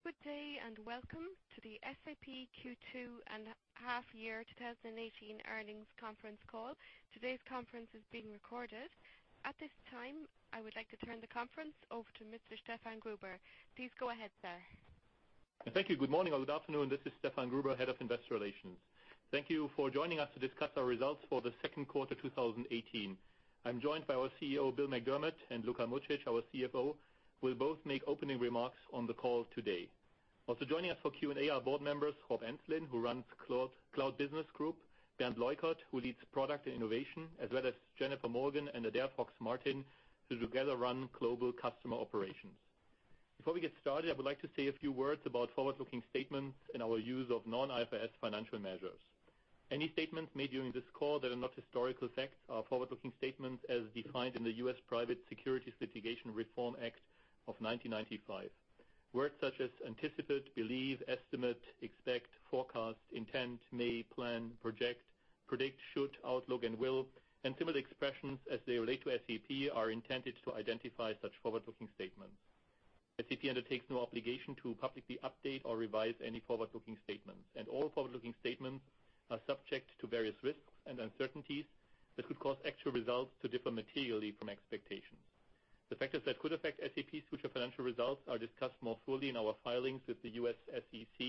Good day, welcome to the SAP Q2 and half year 2018 earnings conference call. Today's conference is being recorded. At this time, I would like to turn the conference over to Mr. Stefan Gruber. Please go ahead, sir. Thank you. Good morning or good afternoon. This is Stefan Gruber, Head of Investor Relations. Thank you for joining us to discuss our results for the second quarter 2018. I'm joined by our CEO, Bill McDermott, and Luka Mucic, our CFO, will both make opening remarks on the call today. Also joining us for Q&A are board members, Rob Enslin, who runs Cloud Business Group, Bernd Leukert, who leads Products & Innovation, as well as Jennifer Morgan and Adaire Fox-Martin, who together run Global Customer Operations. Before we get started, I would like to say a few words about forward-looking statements and our use of non-IFRS financial measures. Any statements made during this call that are not historical facts are forward-looking statements as defined in the U.S. Private Securities Litigation Reform Act of 1995. Words such as anticipate, believe, estimate, expect, forecast, intent, may, plan, project, predict, should, outlook, and will, and similar expressions as they relate to SAP are intended to identify such forward-looking statements. SAP undertakes no obligation to publicly update or revise any forward-looking statements. All forward-looking statements are subject to various risks and uncertainties that could cause actual results to differ materially from expectations. The factors that could affect SAP's future financial results are discussed more fully in our filings with the U.S. SEC,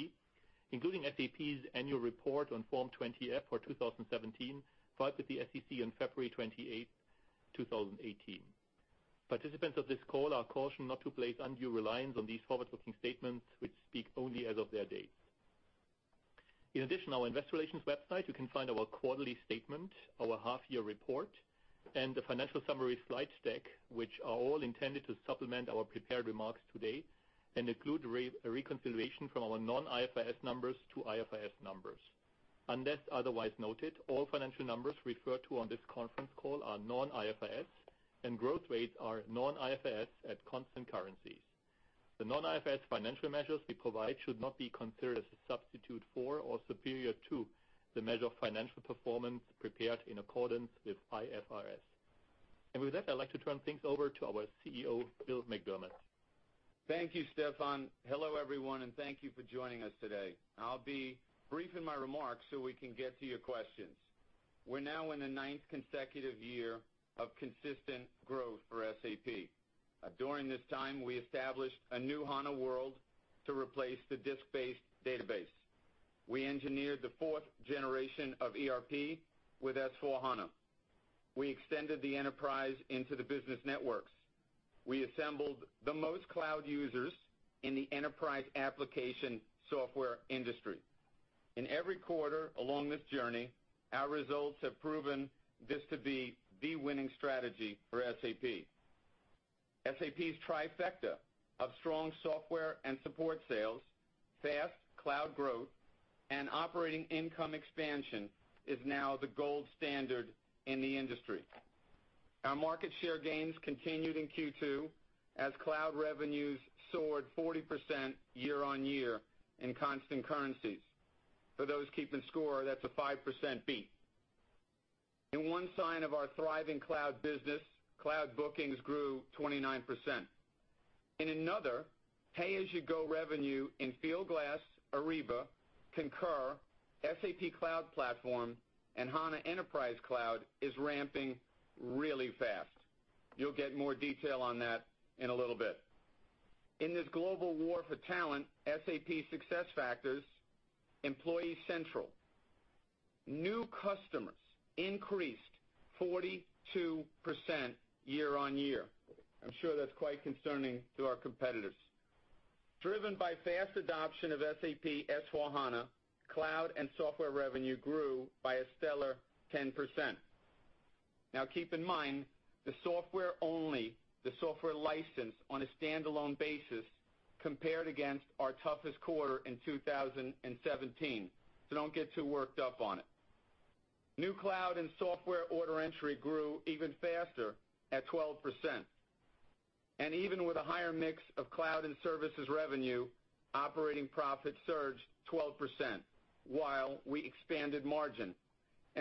including SAP's annual report on Form 20-F for 2017, filed with the SEC on February 28, 2018. Participants of this call are cautioned not to place undue reliance on these forward-looking statements which speak only as of their dates. In addition to our Investor Relations website, you can find our quarterly statement, our half year report, and the financial summary slide stack, which are all intended to supplement our prepared remarks today and include a reconciliation from our non-IFRS numbers to IFRS numbers. Unless otherwise noted, all financial numbers referred to on this conference call are non-IFRS. Growth rates are non-IFRS at constant currencies. The non-IFRS financial measures we provide should not be considered as a substitute for or superior to the measure of financial performance prepared in accordance with IFRS. With that, I'd like to turn things over to our CEO, Bill McDermott. Thank you, Stefan. Hello, everyone, and thank you for joining us today. I'll be brief in my remarks so we can get to your questions. We're now in the 9th consecutive year of consistent growth for SAP. During this time, we established a new HANA world to replace the disk-based database. We engineered the 4th generation of ERP with S/4HANA. We extended the enterprise into the business networks. We assembled the most cloud users in the enterprise application software industry. In every quarter along this journey, our results have proven this to be the winning strategy for SAP. SAP's trifecta of strong software and support sales, fast cloud growth, and operating income expansion is now the gold standard in the industry. Our market share gains continued in Q2 as cloud revenues soared 40% year-over-year in constant currencies. For those keeping score, that's a 5% beat. In one sign of our thriving cloud business, cloud bookings grew 29%. In another, pay-as-you-go revenue in SAP Fieldglass, SAP Ariba, SAP Concur, SAP Cloud Platform, and SAP HANA Enterprise Cloud is ramping really fast. You'll get more detail on that in a little bit. In this global war for talent, SAP SuccessFactors, SAP SuccessFactors Employee Central. New customers increased 42% year-over-year. I'm sure that's quite concerning to our competitors. Driven by fast adoption of SAP S/4HANA, cloud and software revenue grew by a stellar 10%. Keep in mind, the software license on a standalone basis compared against our toughest quarter in 2017. Don't get too worked up on it. New cloud and software order entry grew even faster at 12%. Even with a higher mix of cloud and services revenue, operating profit surged 12% while we expanded margin.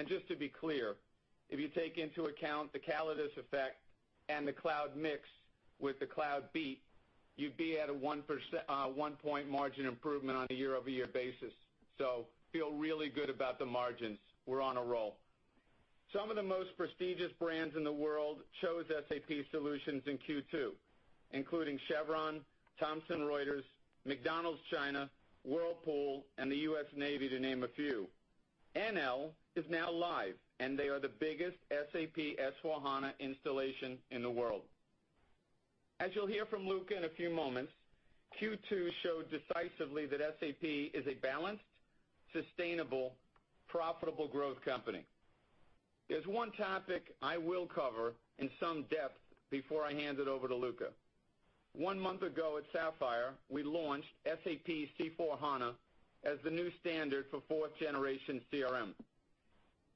Just to be clear, if you take into account the Callidus effect and the cloud mix with the cloud beat, you'd be at a 1-point margin improvement on a year-over-year basis. Feel really good about the margins. We're on a roll. Some of the most prestigious brands in the world chose SAP solutions in Q2, including Chevron, Thomson Reuters, McDonald's China, Whirlpool Corporation, and the U.S. Navy, to name a few. Enel is now live, and they are the biggest SAP S/4HANA installation in the world. As you'll hear from Luka in a few moments, Q2 showed decisively that SAP is a balanced, sustainable, profitable growth company. There's one topic I will cover in some depth before I hand it over to Luka. One month ago at SAP Sapphire, we launched SAP C/4HANA as the new standard for 4th generation CRM.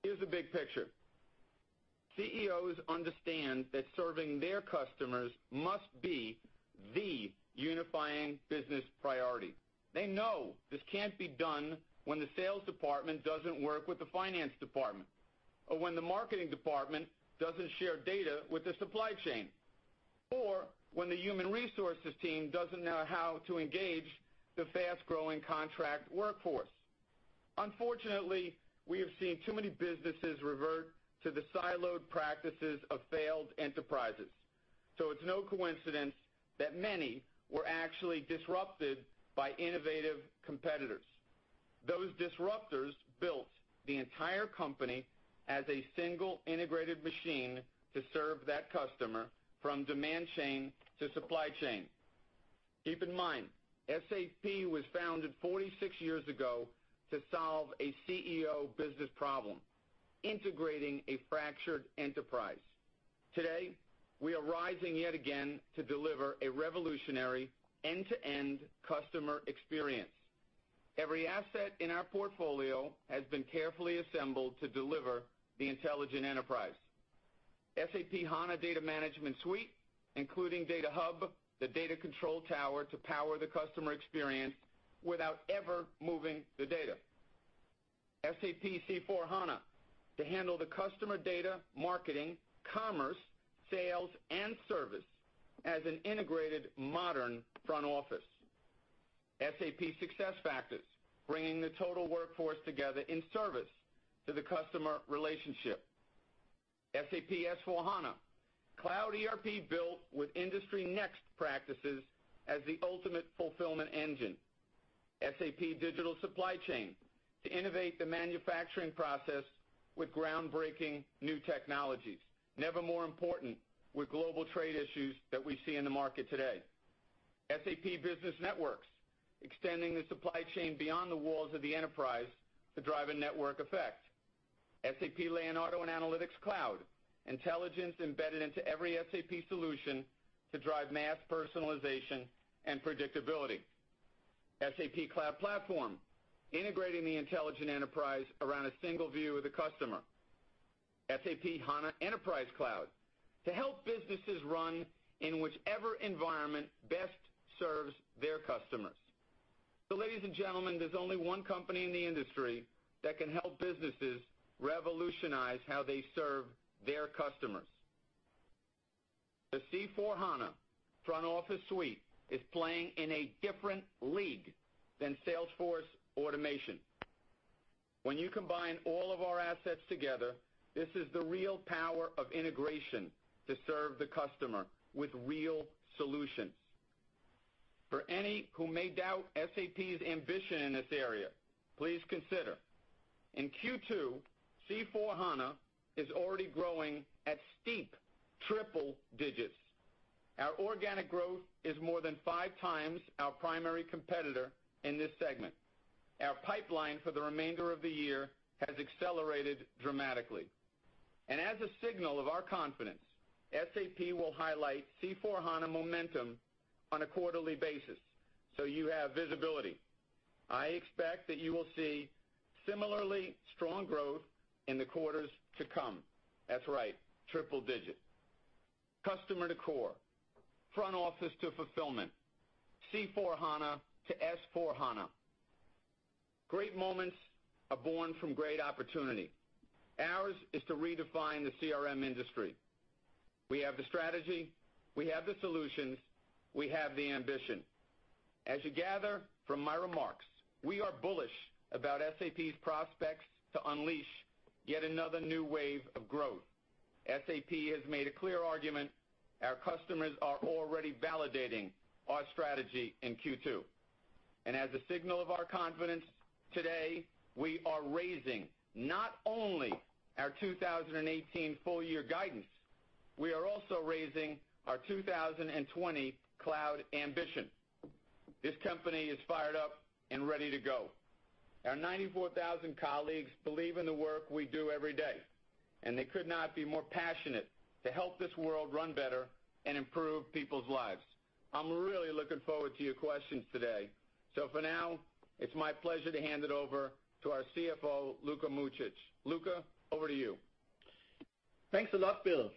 Here's the big picture. CEOs understand that serving their customers must be the unifying business priority. They know this can't be done when the sales department doesn't work with the finance department. When the marketing department doesn't share data with the supply chain, or when the human resources team doesn't know how to engage the fast-growing contract workforce. Unfortunately, we have seen too many businesses revert to the siloed practices of failed enterprises. It's no coincidence that many were actually disrupted by innovative competitors. Those disruptors built the entire company as a single integrated machine to serve that customer from demand chain to supply chain. Keep in mind, SAP was founded 46 years ago to solve a CEO business problem, integrating a fractured enterprise. Today, we are rising yet again to deliver a revolutionary end-to-end customer experience. Every asset in our portfolio has been carefully assembled to deliver the intelligent enterprise. SAP HANA Data Management Suite, including Data Hub, the data control tower, to power the customer experience without ever moving the data. SAP C/4HANA to handle the customer data marketing, commerce, sales, and service as an integrated modern front office. SAP SuccessFactors, bringing the total workforce together in service to the customer relationship. SAP S/4HANA, cloud ERP built with industry next practices as the ultimate fulfillment engine. SAP Digital Supply Chain to innovate the manufacturing process with groundbreaking new technologies. Never more important with global trade issues that we see in the market today. SAP Business Network, extending the supply chain beyond the walls of the enterprise to drive a network effect. SAP Leonardo and Analytics Cloud, intelligence embedded into every SAP solution to drive mass personalization and predictability. SAP Cloud Platform, integrating the intelligent enterprise around a single view of the customer. SAP HANA Enterprise Cloud to help businesses run in whichever environment best serves their customers. Ladies and gentlemen, there's only one company in the industry that can help businesses revolutionize how they serve their customers. The C/4HANA front office suite is playing in a different league than Salesforce automation. When you combine all of our assets together, this is the real power of integration to serve the customer with real solutions. For any who may doubt SAP's ambition in this area, please consider, in Q2, C/4HANA is already growing at steep triple digits. Our organic growth is more than five times our primary competitor in this segment. Our pipeline for the remainder of the year has accelerated dramatically. As a signal of our confidence, SAP will highlight C/4HANA momentum on a quarterly basis, so you have visibility. I expect that you will see similarly strong growth in the quarters to come. That's right, triple digit. Customer to core, front office to fulfillment, C/4HANA to S/4HANA. Great moments are born from great opportunity. Ours is to redefine the CRM industry. We have the strategy, we have the solutions, we have the ambition. As you gather from my remarks, we are bullish about SAP's prospects to unleash yet another new wave of growth. SAP has made a clear argument. Our customers are already validating our strategy in Q2. As a signal of our confidence, today, we are raising not only our 2018 full year guidance, we are also raising our 2020 cloud ambition. This company is fired up and ready to go. Our 94,000 colleagues believe in the work we do every day, and they could not be more passionate to help this world run better and improve people's lives. I'm really looking forward to your questions today. For now, it's my pleasure to hand it over to our CFO, Luka Mucic. Luka, over to you. Thanks a lot, Bill.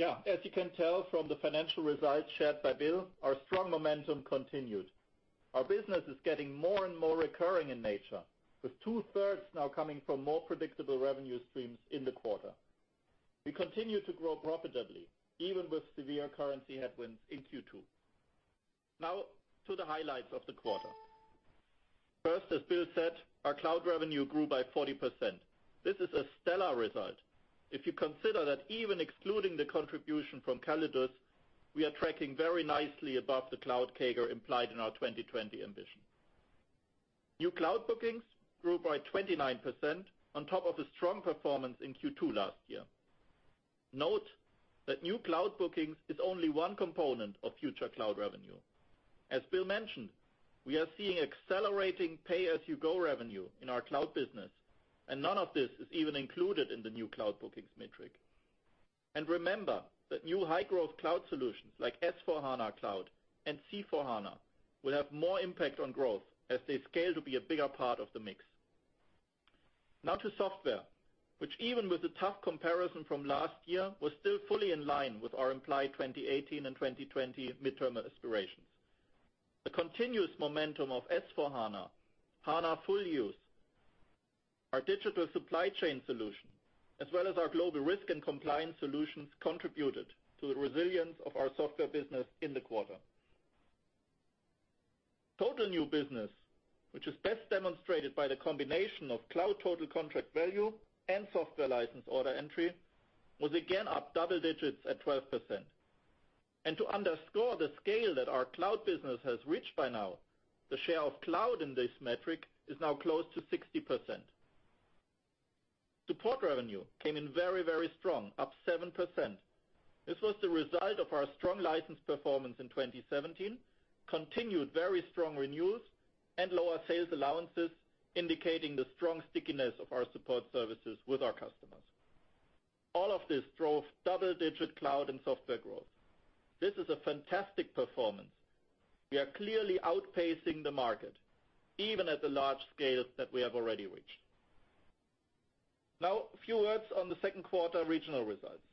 As you can tell from the financial results shared by Bill, our strong momentum continued. Our business is getting more and more recurring in nature, with two-thirds now coming from more predictable revenue streams in the quarter. We continue to grow profitably, even with severe currency headwinds in Q2. To the highlights of the quarter. First, as Bill said, our cloud revenue grew by 40%. This is a stellar result. If you consider that even excluding the contribution from Callidus, we are tracking very nicely above the cloud CAGR implied in our 2020 ambition. New cloud bookings grew by 29% on top of a strong performance in Q2 last year. Note that new cloud bookings is only one component of future cloud revenue. As Bill mentioned, we are seeing accelerating pay-as-you-go revenue in our cloud business, none of this is even included in the new cloud bookings metric. Remember that new high-growth cloud solutions like SAP S/4HANA Cloud and SAP C/4HANA will have more impact on growth as they scale to be a bigger part of the mix. To software, which even with the tough comparison from last year, was still fully in line with our implied 2018 and 2020 midterm aspirations. The continuous momentum of SAP S/4HANA, SAP HANA full use, our SAP Digital Supply Chain solution, as well as our global risk and compliance solutions contributed to the resilience of our software business in the quarter. Total new business, which is best demonstrated by the combination of cloud total contract value and software license order entry, was again up double digits at 12%. To underscore the scale that our cloud business has reached by now, the share of cloud in this metric is now close to 60%. Support revenue came in very strong, up 7%. This was the result of our strong license performance in 2017, continued very strong renewals, and lower sales allowances, indicating the strong stickiness of our support services with our customers. All of this drove double-digit cloud and software growth. This is a fantastic performance. We are clearly outpacing the market, even at the large scale that we have already reached. A few words on the second quarter regional results.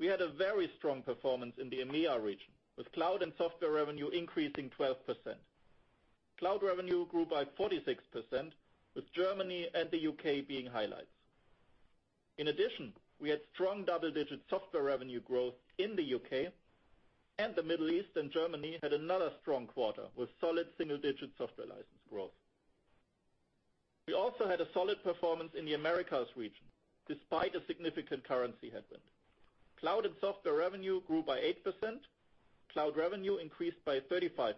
We had a very strong performance in the EMEA region, with cloud and software revenue increasing 12%. Cloud revenue grew by 46%, with Germany and the U.K. being highlights. We had strong double-digit software revenue growth in the U.K., and the Middle East and Germany had another strong quarter, with solid single-digit software license growth. We also had a solid performance in the Americas region, despite a significant currency headwind. Cloud and software revenue grew by 8%. Cloud revenue increased by 35%,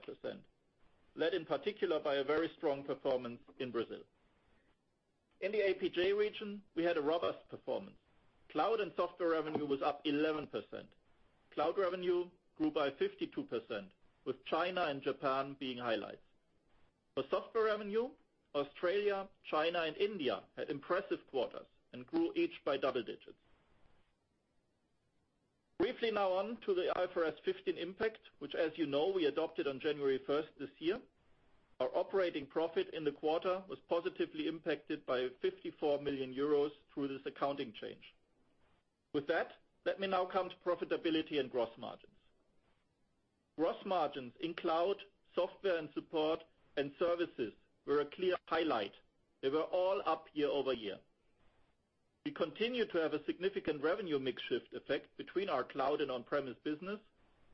led in particular by a very strong performance in Brazil. The APJ region, we had a robust performance. Cloud and software revenue was up 11%. Cloud revenue grew by 52%, with China and Japan being highlights. For software revenue, Australia, China, and India had impressive quarters and grew each by double digits. On to the IFRS 15 impact, which as you know, we adopted on January 1st this year. Our operating profit in the quarter was positively impacted by 54 million euros through this accounting change. With that, let me now come to profitability and gross margins. Gross margins in cloud, software, and support and services were a clear highlight. They were all up year-over-year. We continue to have a significant revenue mix shift effect between our cloud and on-premise business,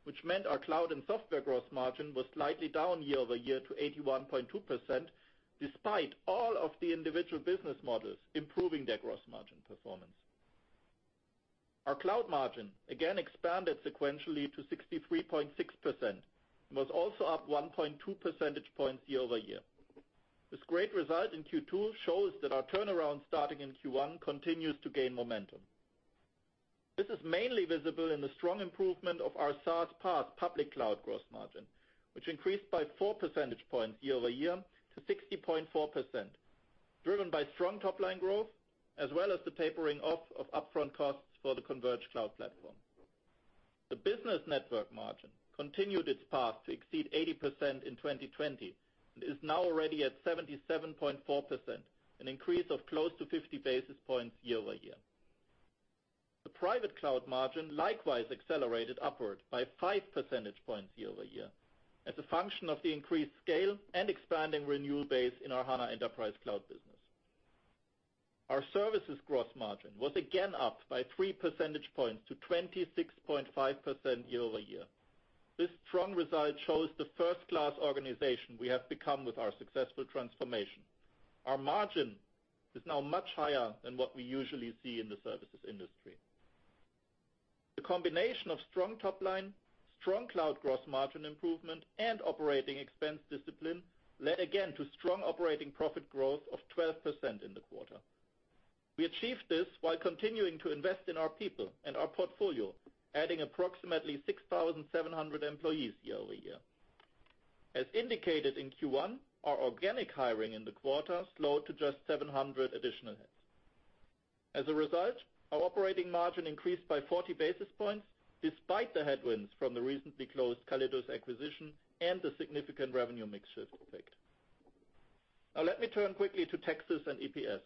which meant our cloud and software gross margin was slightly down year-over-year to 81.2%, despite all of the individual business models improving their gross margin performance. Our cloud margin again expanded sequentially to 63.6%, and was also up 1.2 percentage points year-over-year. This great result in Q2 shows that our turnaround starting in Q1 continues to gain momentum. This is mainly visible in the strong improvement of our SaaS/PaaS public cloud gross margin, which increased by four percentage points year-over-year to 60.4%, driven by strong top-line growth, as well as the tapering off of upfront costs for the converged cloud platform. The business network margin continued its path to exceed 80% in 2020. It is now already at 77.4%, an increase of close to 50 basis points year-over-year. The private cloud margin likewise accelerated upward by five percentage points year-over-year as a function of the increased scale and expanding renewal base in our SAP HANA Enterprise Cloud business. Our services gross margin was again up by three percentage points to 26.5% year-over-year. This strong result shows the first-class organization we have become with our successful transformation. Our margin is now much higher than what we usually see in the services industry. The combination of strong top line, strong cloud gross margin improvement, and operating expense discipline led again to strong operating profit growth of 12% in the quarter. We achieved this while continuing to invest in our people and our portfolio, adding approximately 6,700 employees year-over-year. As indicated in Q1, our organic hiring in the quarter slowed to just 700 additional heads. As a result, our operating margin increased by 40 basis points despite the headwinds from the recently closed Callidus acquisition and the significant revenue mix shift effect. Now let me turn quickly to taxes and EPS.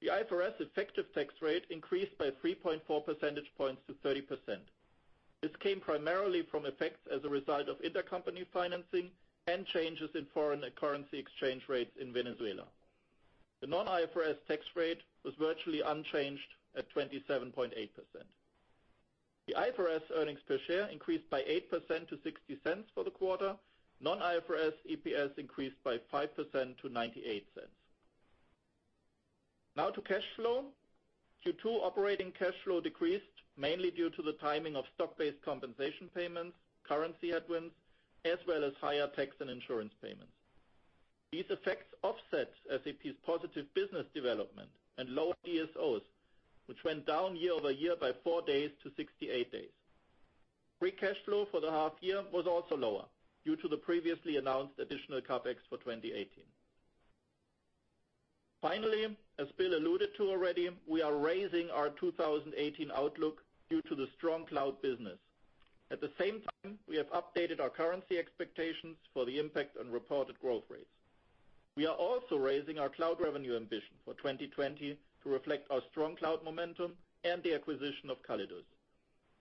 The IFRS effective tax rate increased by 3.4 percentage points to 30%. This came primarily from effects as a result of intercompany financing and changes in foreign currency exchange rates in Venezuela. The non-IFRS tax rate was virtually unchanged at 27.8%. The IFRS earnings per share increased by 8% to 0.60 for the quarter. Non-IFRS EPS increased by 5% to 0.98. Now to cash flow. Q2 operating cash flow decreased mainly due to the timing of stock-based compensation payments, currency headwinds, as well as higher tax and insurance payments. These effects offset SAP's positive business development and low DSOs, which went down year-over-year by four days to 68 days. Free cash flow for the half year was also lower due to the previously announced additional CapEx for 2018. Finally, as Bill alluded to already, we are raising our 2018 outlook due to the strong cloud business. At the same time, we have updated our currency expectations for the impact on reported growth rates. We are also raising our cloud revenue ambition for 2020 to reflect our strong cloud momentum and the acquisition of Callidus.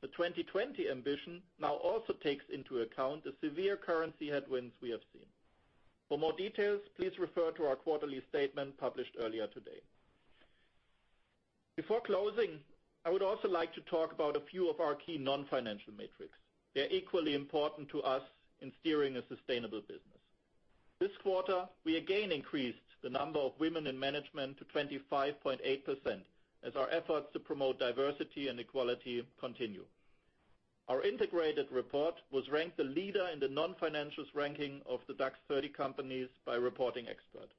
The 2020 ambition now also takes into account the severe currency headwinds we have seen. For more details, please refer to our quarterly statement published earlier today. Before closing, I would also like to talk about a few of our key non-financial metrics. They're equally important to us in steering a sustainable business. This quarter, we again increased the number of women in management to 25.8%, as our efforts to promote diversity and equality continue. Our integrated report was ranked the leader in the non-financial ranking of the DAX 30 companies by Reporting Expert.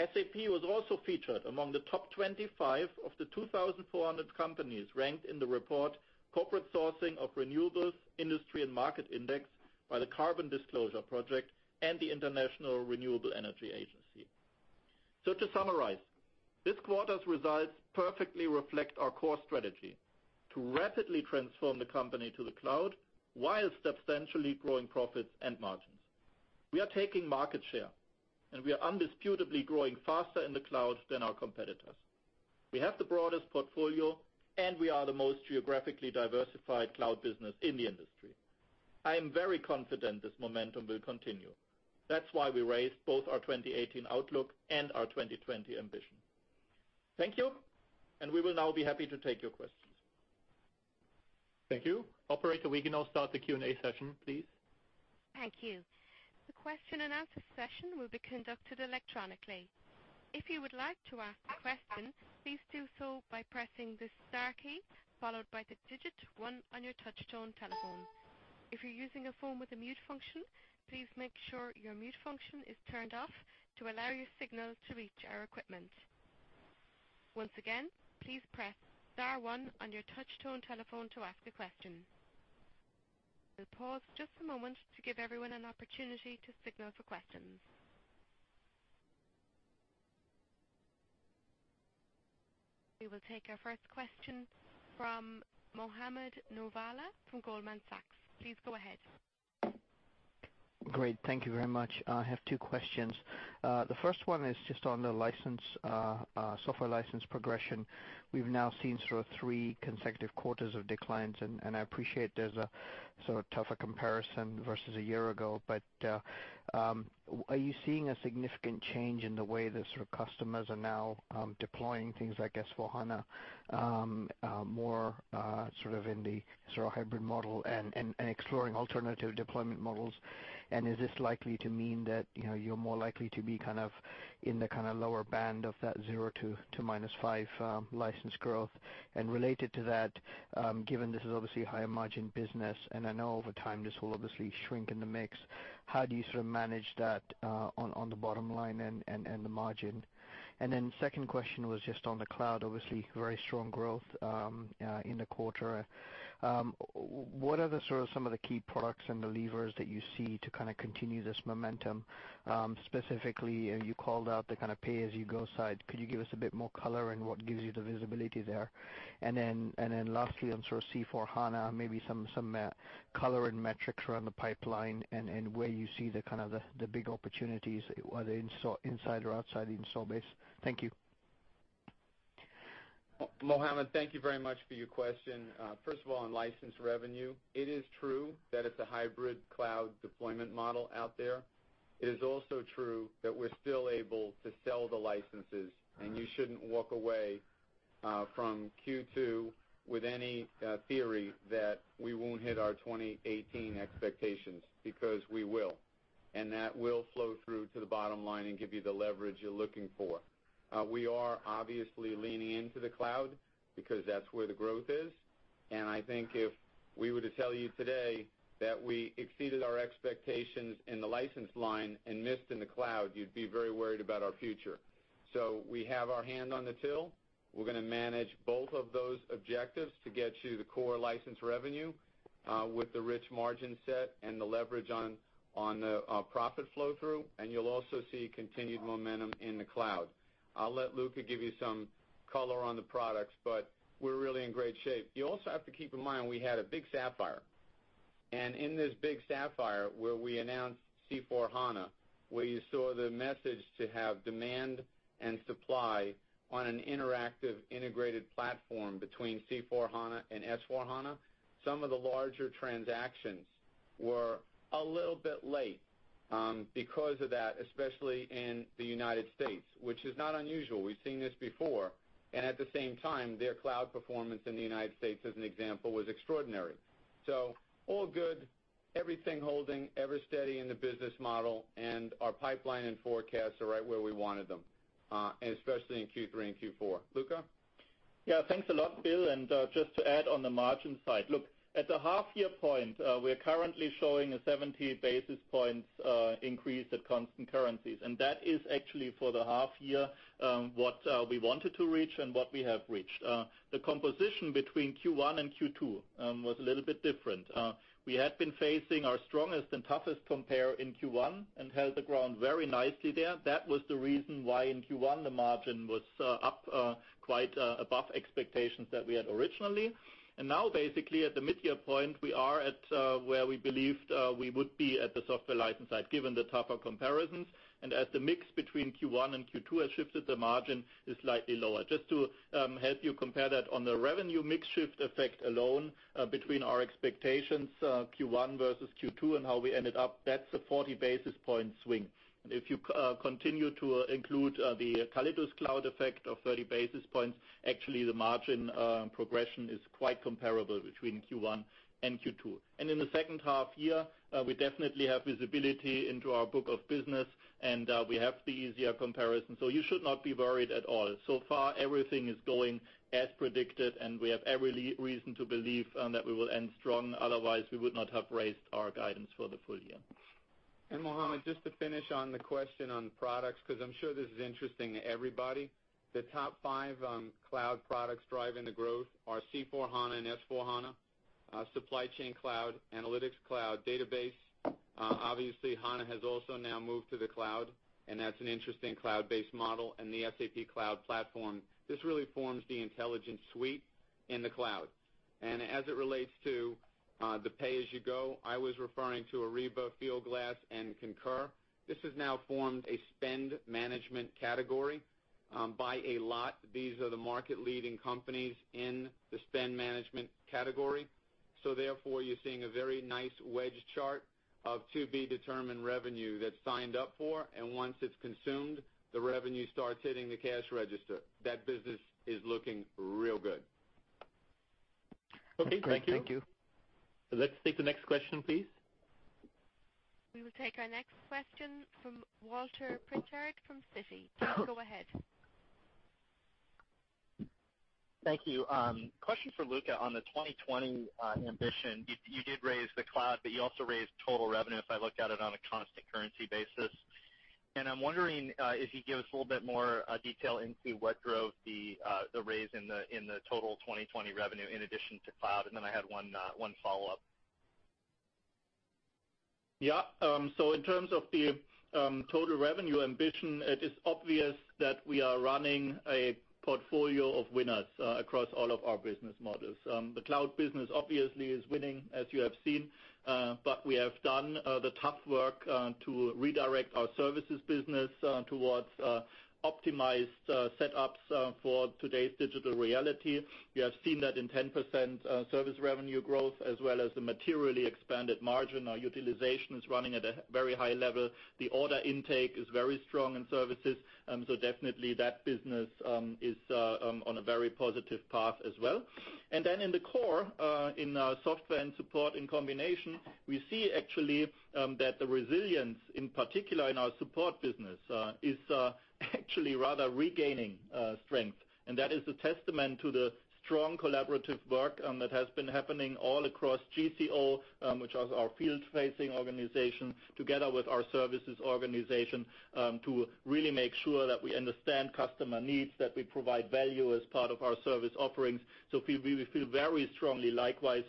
SAP was also featured among the top 25 of the 2,400 companies ranked in the report, Corporate Sourcing of Renewables: Industry and Market Index by the Carbon Disclosure Project and the International Renewable Energy Agency. To summarize, this quarter's results perfectly reflect our core strategy, to rapidly transform the company to the cloud, while substantially growing profits and margins. We are taking market share, and we are indisputably growing faster in the cloud than our competitors. We have the broadest portfolio, and we are the most geographically diversified cloud business in the industry. I am very confident this momentum will continue. That's why we raised both our 2018 outlook and our 2020 ambition. Thank you, and we will now be happy to take your questions. Thank you. Operator, we can now start the Q&A session, please. Thank you. The question and answer session will be conducted electronically. If you would like to ask a question, please do so by pressing the star key, followed by the digit 1 on your touch-tone telephone. If you're using a phone with a mute function, please make sure your mute function is turned off to allow your signal to reach our equipment. Once again, please press star one on your touch-tone telephone to ask a question. We'll pause just a moment to give everyone an opportunity to signal for questions. We will take our first question from Mohammed Moawalla from Goldman Sachs. Please go ahead. Great. Thank you very much. I have two questions. The first one is just on the software license progression. We've now seen sort of 3 consecutive quarters of declines, and I appreciate there's a sort of tougher comparison versus a year ago. Are you seeing a significant change in the way that sort of customers are now deploying things like S/4HANA, more sort of in the sort of hybrid model and exploring alternative deployment models? Is this likely to mean that you're more likely to be in the lower band of that 0 to -5 license growth? Related to that, given this is obviously a higher margin business, and I know over time this will obviously shrink in the mix, how do you sort of manage that on the bottom line and the margin? Second question was just on the cloud, obviously very strong growth in the quarter. What are the sort of some of the key products and the levers that you see to continue this momentum? Specifically, you called out the pay as you go side. Could you give us a bit more color in what gives you the visibility there? Lastly, on sort of C/4HANA, maybe some color and metrics around the pipeline and where you see the big opportunities, whether inside or outside the install base. Thank you. Mohammed, thank you very much for your question. First of all, on license revenue, it is true that it's a hybrid cloud deployment model out there. It is also true that we're still able to sell the licenses, and you shouldn't walk away from Q2 with any theory that we won't hit our 2018 expectations, because we will. That will flow through to the bottom line and give you the leverage you're looking for. We are obviously leaning into the cloud because that's where the growth is. I think if we were to tell you today that we exceeded our expectations in the license line and missed in the cloud, you'd be very worried about our future. We have our hand on the till. We're going to manage both of those objectives to get you the core license revenue with the rich margin set and the leverage on the profit flow through. You'll also see continued momentum in the cloud. I'll let Luka give you some color on the products, but we're really in great shape. You also have to keep in mind, we had a big Sapphire. In this big Sapphire, where we announced C/4HANA, where you saw the message to have demand and supply on an interactive integrated platform between C/4HANA and S/4HANA. Some of the larger transactions were a little bit late because of that, especially in the U.S., which is not unusual. We've seen this before, at the same time, their cloud performance in the U.S., as an example, was extraordinary. All good. Everything holding ever steady in the business model, our pipeline and forecasts are right where we wanted them, especially in Q3 and Q4. Luka? Yeah, thanks a lot, Bill. Just to add on the margin side, look, at the half year point, we're currently showing a 70 basis points increase at constant currencies. That is actually for the half year, what we wanted to reach and what we have reached. The composition between Q1 and Q2 was a little bit different. We had been facing our strongest and toughest compare in Q1 and held the ground very nicely there. That was the reason why in Q1 the margin was up quite above expectations that we had originally. Now basically at the mid-year point, we are at where we believed we would be at the software license side, given the tougher comparisons. As the mix between Q1 and Q2 has shifted, the margin is slightly lower. Just to help you compare that on the revenue mix shift effect alone between our expectations, Q1 versus Q2 and how we ended up, that's a 40 basis point swing. If you continue to include the Callidus Cloud effect of 30 basis points, actually the margin progression is quite comparable between Q1 and Q2. In the second half year, we definitely have visibility into our book of business, and we have the easier comparison. You should not be worried at all. So far, everything is going as predicted, and we have every reason to believe that we will end strong, otherwise we would not have raised our guidance for the full year. Mohammed, just to finish on the question on products, because I'm sure this is interesting to everybody. The top five cloud products driving the growth are C/4HANA and S/4HANA, SAP Digital Supply Chain, SAP Analytics Cloud, HANA. Obviously, HANA has also now moved to the cloud, that's an interesting cloud-based model, the SAP Cloud Platform. This really forms the intelligent suite in the cloud. As it relates to the pay-as-you-go, I was referring to Ariba, Fieldglass, and Concur. This has now formed a spend management category. By a lot, these are the market leading companies in the spend management category. Therefore, you're seeing a very nice wedge chart of to-be-determined revenue that's signed up for, and once it's consumed, the revenue starts hitting the cash register. That business is looking real good. Okay, thank you. Great. Thank you. Let's take the next question, please. We will take our next question from Walter Pritchard from Citi. Go ahead. Thank you. Question for Luka on the 2020 ambition. You did raise the cloud, but you also raised total revenue, if I looked at it on a constant currency basis. I'm wondering if you could give us a little bit more detail into what drove the raise in the total 2020 revenue in addition to cloud. I had one follow-up. Yeah. In terms of the total revenue ambition, it is obvious that we are running a portfolio of winners across all of our business models. The cloud business obviously is winning, as you have seen. We have done the tough work to redirect our services business towards optimized setups for today's digital reality. We have seen that in 10% service revenue growth, as well as the materially expanded margin. Our utilization is running at a very high level. The order intake is very strong in services. Definitely that business is on a very positive path as well. Then in the core, in our software and support in combination, we see actually that the resilience, in particular in our support business, is actually rather regaining strength. That is a testament to the strong collaborative work that has been happening all across GCO, which is our field-facing organization, together with our services organization, to really make sure that we understand customer needs, that we provide value as part of our service offerings. We feel very strongly likewise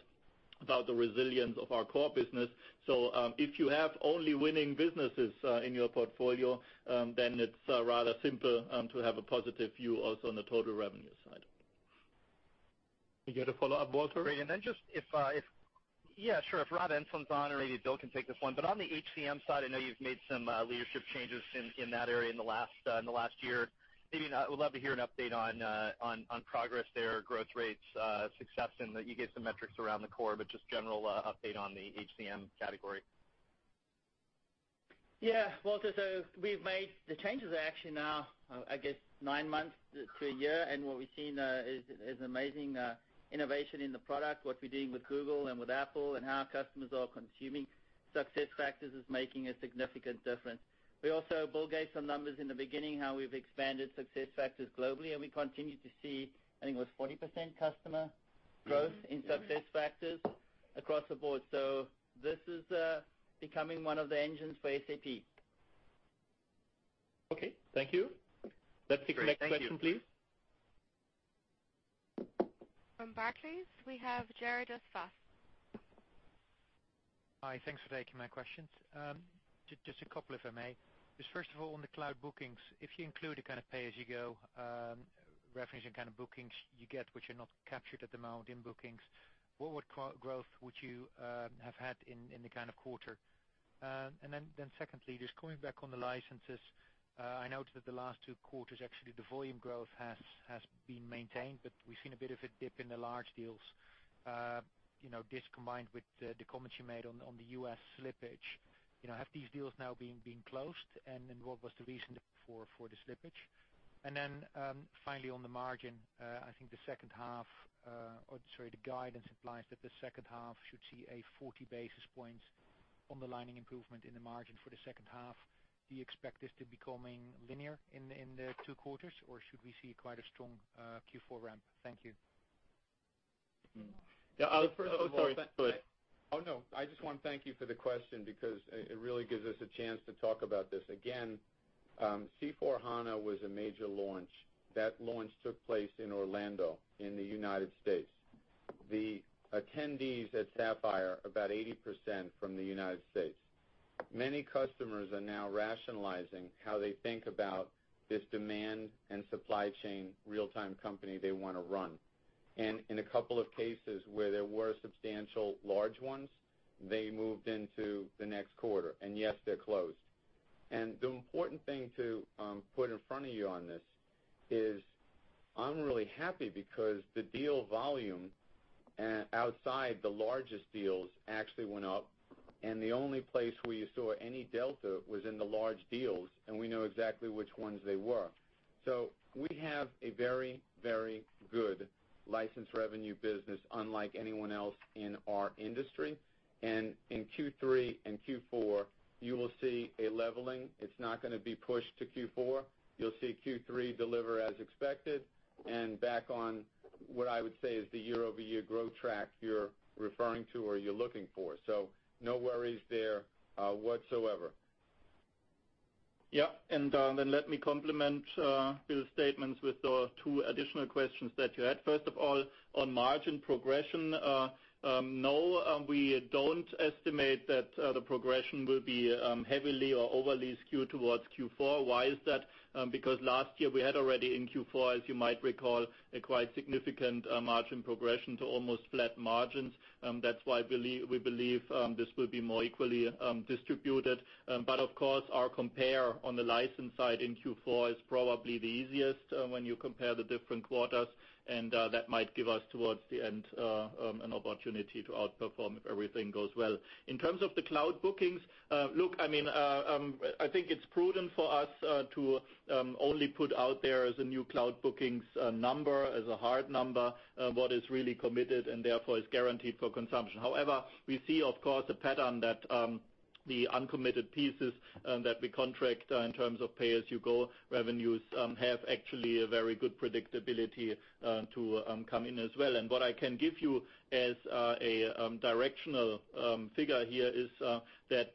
about the resilience of our core business. If you have only winning businesses in your portfolio, then it's rather simple to have a positive view also on the total revenue side. You got a follow-up, Walter? Great. Then just if, yeah, sure. If Rob Enslin's on, or maybe Bill can take this one. On the HCM side, I know you've made some leadership changes in that area in the last year. Maybe I would love to hear an update on progress there, growth rates, success, and you gave some metrics around the core, but just general update on the HCM category. Yeah. Walter, we've made the changes are actually now, I guess nine months to a year, and what we've seen is amazing innovation in the product, what we're doing with Google and with Apple, and how our customers are consuming SuccessFactors is making a significant difference. We also, Bill gave some numbers in the beginning, how we've expanded SuccessFactors globally, and we continue to see, I think it was 40% customer growth in SuccessFactors across the board. This is becoming one of the engines for SAP. Okay. Thank you. Let's take the next question, please. From Barclays, we have Gerard du Toit. Hi. Thanks for taking my questions. Just a couple if I may. First of all, on the cloud bookings, if you include a kind of pay-as-you-go reference and kind of bookings you get, which are not captured at the amount in bookings, what growth would you have had in the quarter? Secondly, just coming back on the licenses. I noted that the last two quarters, actually, the volume growth has been maintained, we've seen a bit of a dip in the large deals. This combined with the comments you made on the U.S. slippage. Have these deals now been closed? What was the reason for the slippage? Finally on the margin, I think the second half, the guidance implies that the second half should see a 40 basis point underlying improvement in the margin for the second half. Do you expect this to be coming linear in the two quarters, should we see quite a strong Q4 ramp? Thank you. Yeah. Oh, sorry. Go ahead. Oh, no. I just want to thank you for the question because it really gives us a chance to talk about this. C/4HANA was a major launch. That launch took place in Orlando, in the U.S. The attendees at SAP Sapphire, about 80% from the U.S. Many customers are now rationalizing how they think about this demand and supply chain real-time company they want to run. In a couple of cases where there were substantial large ones, they moved into the next quarter. Yes, they're closed. The important thing to put in front of you on this is, I'm really happy because the deal volume outside the largest deals actually went up, and the only place where you saw any delta was in the large deals, and we know exactly which ones they were. We have a very good license revenue business unlike anyone else in our industry. In Q3 and Q4, you will see a leveling. It's not going to be pushed to Q4. You'll see Q3 deliver as expected and back on what I would say is the year-over-year growth track you're referring to or you're looking for. No worries there whatsoever. Yeah. Let me complement Bill's statements with the two additional questions that you had. First of all, on margin progression, no, we don't estimate that the progression will be heavily or overly skewed towards Q4. Why is that? Because last year we had already in Q4, as you might recall, a quite significant margin progression to almost flat margins. That's why we believe this will be more equally distributed. Of course, our compare on the license side in Q4 is probably the easiest when you compare the different quarters, and that might give us towards the end an opportunity to outperform if everything goes well. In terms of the cloud bookings, look, I think it's prudent for us to only put out there as a new cloud bookings number, as a hard number, what is really committed and therefore is guaranteed for consumption. However, we see, of course, a pattern that the uncommitted pieces that we contract in terms of pay-as-you-go revenues have actually a very good predictability to come in as well. What I can give you as a directional figure here is that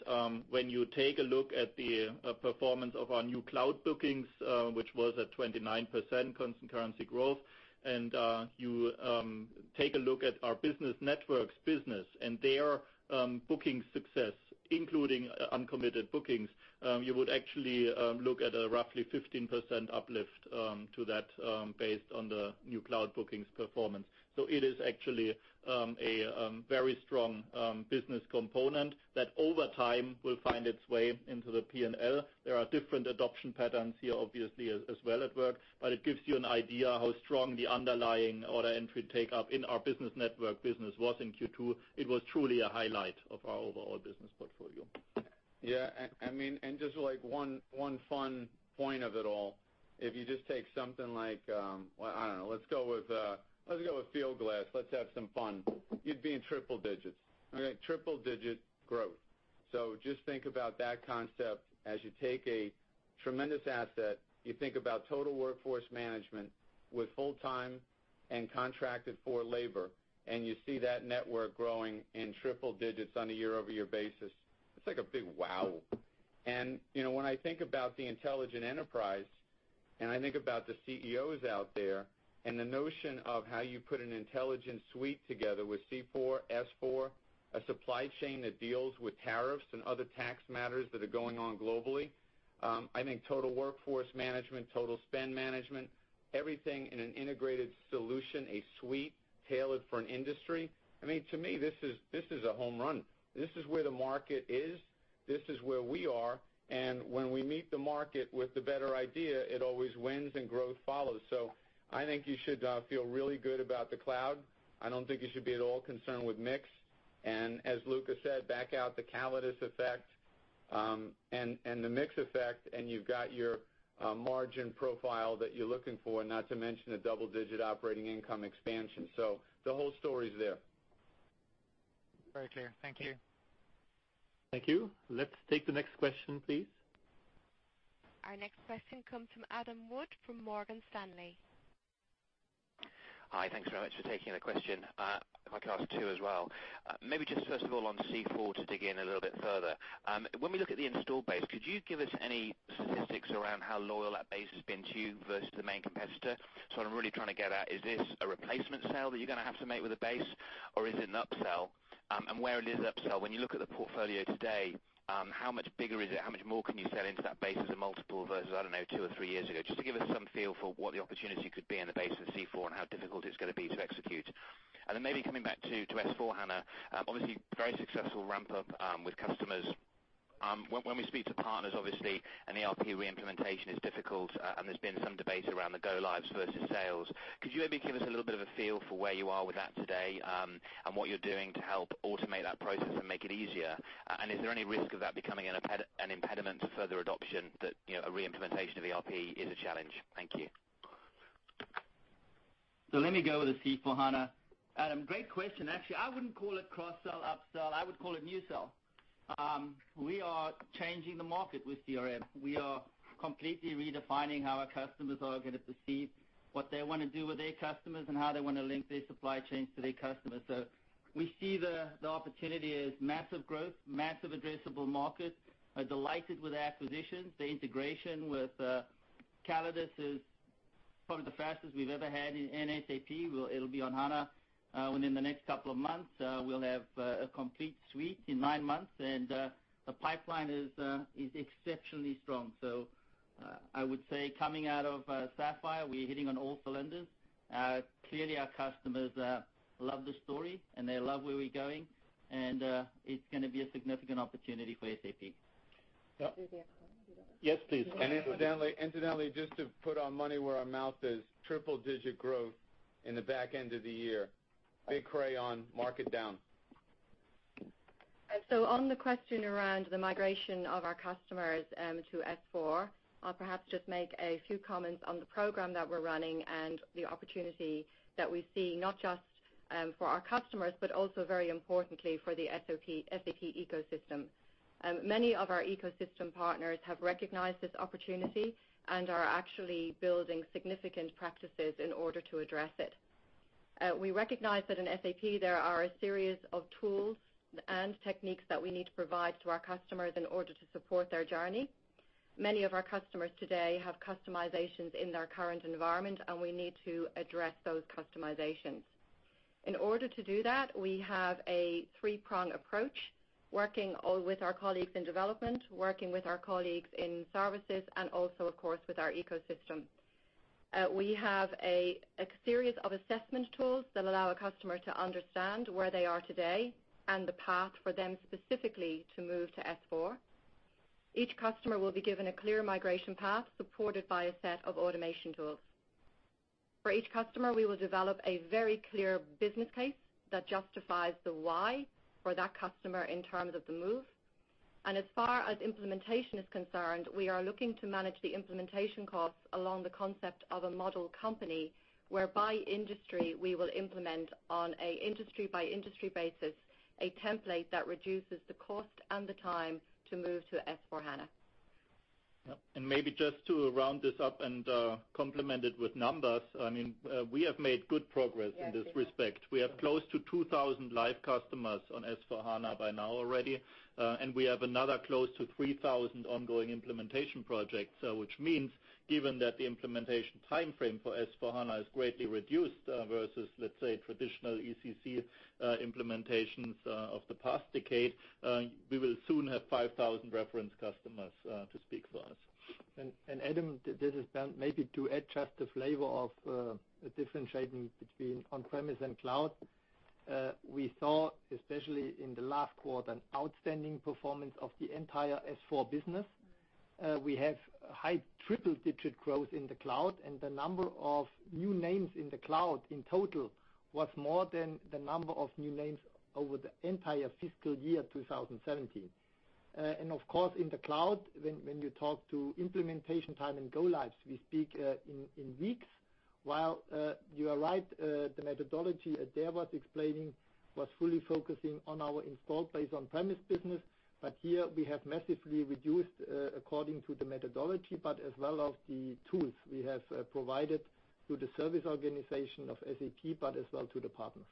when you take a look at the performance of our new cloud bookings, which was at 29% constant currency growth, and you take a look at our Business Network business and their booking success, including uncommitted bookings, you would actually look at a roughly 15% uplift to that based on the new cloud bookings performance. It is actually a very strong business component that over time will find its way into the P&L. There are different adoption patterns here, obviously, as well at work. It gives you an idea how strong the underlying order entry takeup in our Business Network business was in Q2. It was truly a highlight of our overall business portfolio. Yeah. Just one fun point of it all, if you just take something like, well, I don't know, let's go with Fieldglass. Let's have some fun. You'd be in triple digits. Okay. Triple-digit growth. Just think about that concept as you take a tremendous asset, you think about total workforce management with full-time and contracted for labor, and you see that network growing in triple digits on a year-over-year basis. It's like a big wow. When I think about the intelligent enterprise and I think about the CEOs out there and the notion of how you put an intelligent suite together with C/4, S/4, a supply chain that deals with tariffs and other tax matters that are going on globally. I think total workforce management, total spend management, everything in an integrated solution, a suite tailored for an industry. To me, this is a home run. This is where the market is, this is where we are, when we meet the market with the better idea, it always wins, and growth follows. I think you should feel really good about the cloud. I don't think you should be at all concerned with mix. As Luka said, back out the Callidus effect, and the mix effect, and you've got your margin profile that you're looking for, not to mention a double-digit operating income expansion. The whole story is there. Very clear. Thank you. Thank you. Let's take the next question, please. Our next question comes from Adam Wood from Morgan Stanley. Hi. Thanks very much for taking the question. If I could ask two as well. Maybe just first of all on C/4 to dig in a little bit further. When we look at the install base, could you give us any statistics around how loyal that base has been to you versus the main competitor? What I'm really trying to get at, is this a replacement sale that you're going to have to make with the base, or is it an upsell? Where it is upsell, when you look at the portfolio today, how much bigger is it? How much more can you sell into that base as a multiple versus, I don't know, two or three years ago? Just to give us some feel for what the opportunity could be in the base of C/4 and how difficult it's going to be to execute. Maybe coming back to SAP S/4HANA. Obviously, very successful ramp-up with customers. When we speak to partners, obviously, an ERP reimplementation is difficult, and there's been some debate around the go lives versus sales. Could you maybe give us a little bit of a feel for where you are with that today, and what you're doing to help automate that process and make it easier? Is there any risk of that becoming an impediment to further adoption that a reimplementation of ERP is a challenge? Thank you. Let me go with the SAP C/4HANA. Adam, great question. Actually, I wouldn't call it cross-sell, up-sell, I would call it new sell. We are changing the market with CRM. We are completely redefining how our customers are going to perceive what they want to do with their customers, and how they want to link their supply chains to their customers. We see the opportunity as massive growth, massive addressable market. We are delighted with the acquisitions. The integration with Callidus is probably the fastest we've ever had in SAP. It'll be on SAP HANA within the next couple of months. We'll have a complete suite in nine months, and the pipeline is exceptionally strong. I would say coming out of SAP Sapphire, we're hitting on all cylinders. Clearly, our customers love the story and they love where we're going. It's going to be a significant opportunity for SAP. Is there a follow up? Yes, please. Incidentally, just to put our money where our mouth is, triple-digit growth in the back end of the year. Big crayon, mark it down. On the question around the migration of our customers to S/4, I'll perhaps just make a few comments on the program that we're running and the opportunity that we see, not just for our customers, but also very importantly for the SAP ecosystem. Many of our ecosystem partners have recognized this opportunity and are actually building significant practices in order to address it. We recognize that in SAP, there are a series of tools and techniques that we need to provide to our customers in order to support their journey. Many of our customers today have customizations in their current environment, and we need to address those customizations. In order to do that, we have a three-prong approach, working with our colleagues in development, working with our colleagues in services, and also, of course, with our ecosystem. We have a series of assessment tools that allow a customer to understand where they are today and the path for them specifically to move to S/4. Each customer will be given a clear migration path supported by a set of automation tools. For each customer, we will develop a very clear business case that justifies the why for that customer in terms of the move. As far as implementation is concerned, we are looking to manage the implementation costs along the concept of a model company, whereby industry, we will implement on an industry-by-industry basis, a template that reduces the cost and the time to move to SAP S/4HANA. maybe just to round this up and complement it with numbers. We have made good progress in this respect. We have close to 2,000 live customers on S/4HANA by now already. We have another close to 3,000 ongoing implementation projects. Which means, given that the implementation timeframe for S/4HANA is greatly reduced versus, let's say, traditional ECC implementations of the past decade, we will soon have 5,000 reference customers to speak for us. Adam, this is Bernd. Maybe to add just a flavor of differentiating between on-premise and cloud. We saw, especially in the last quarter, outstanding performance of the entire S/4 business. We have high triple-digit growth in the cloud, and the number of new names in the cloud in total was more than the number of new names over the entire fiscal year 2017. Of course, in the cloud, when you talk to implementation time and go lives, we speak in weeks. While you are right, the methodology Adaire was explaining was fully focusing on our installed base on-premise business. Here we have massively reduced according to the methodology, but as well as the tools we have provided through the service organization of SAP, but as well to the partners.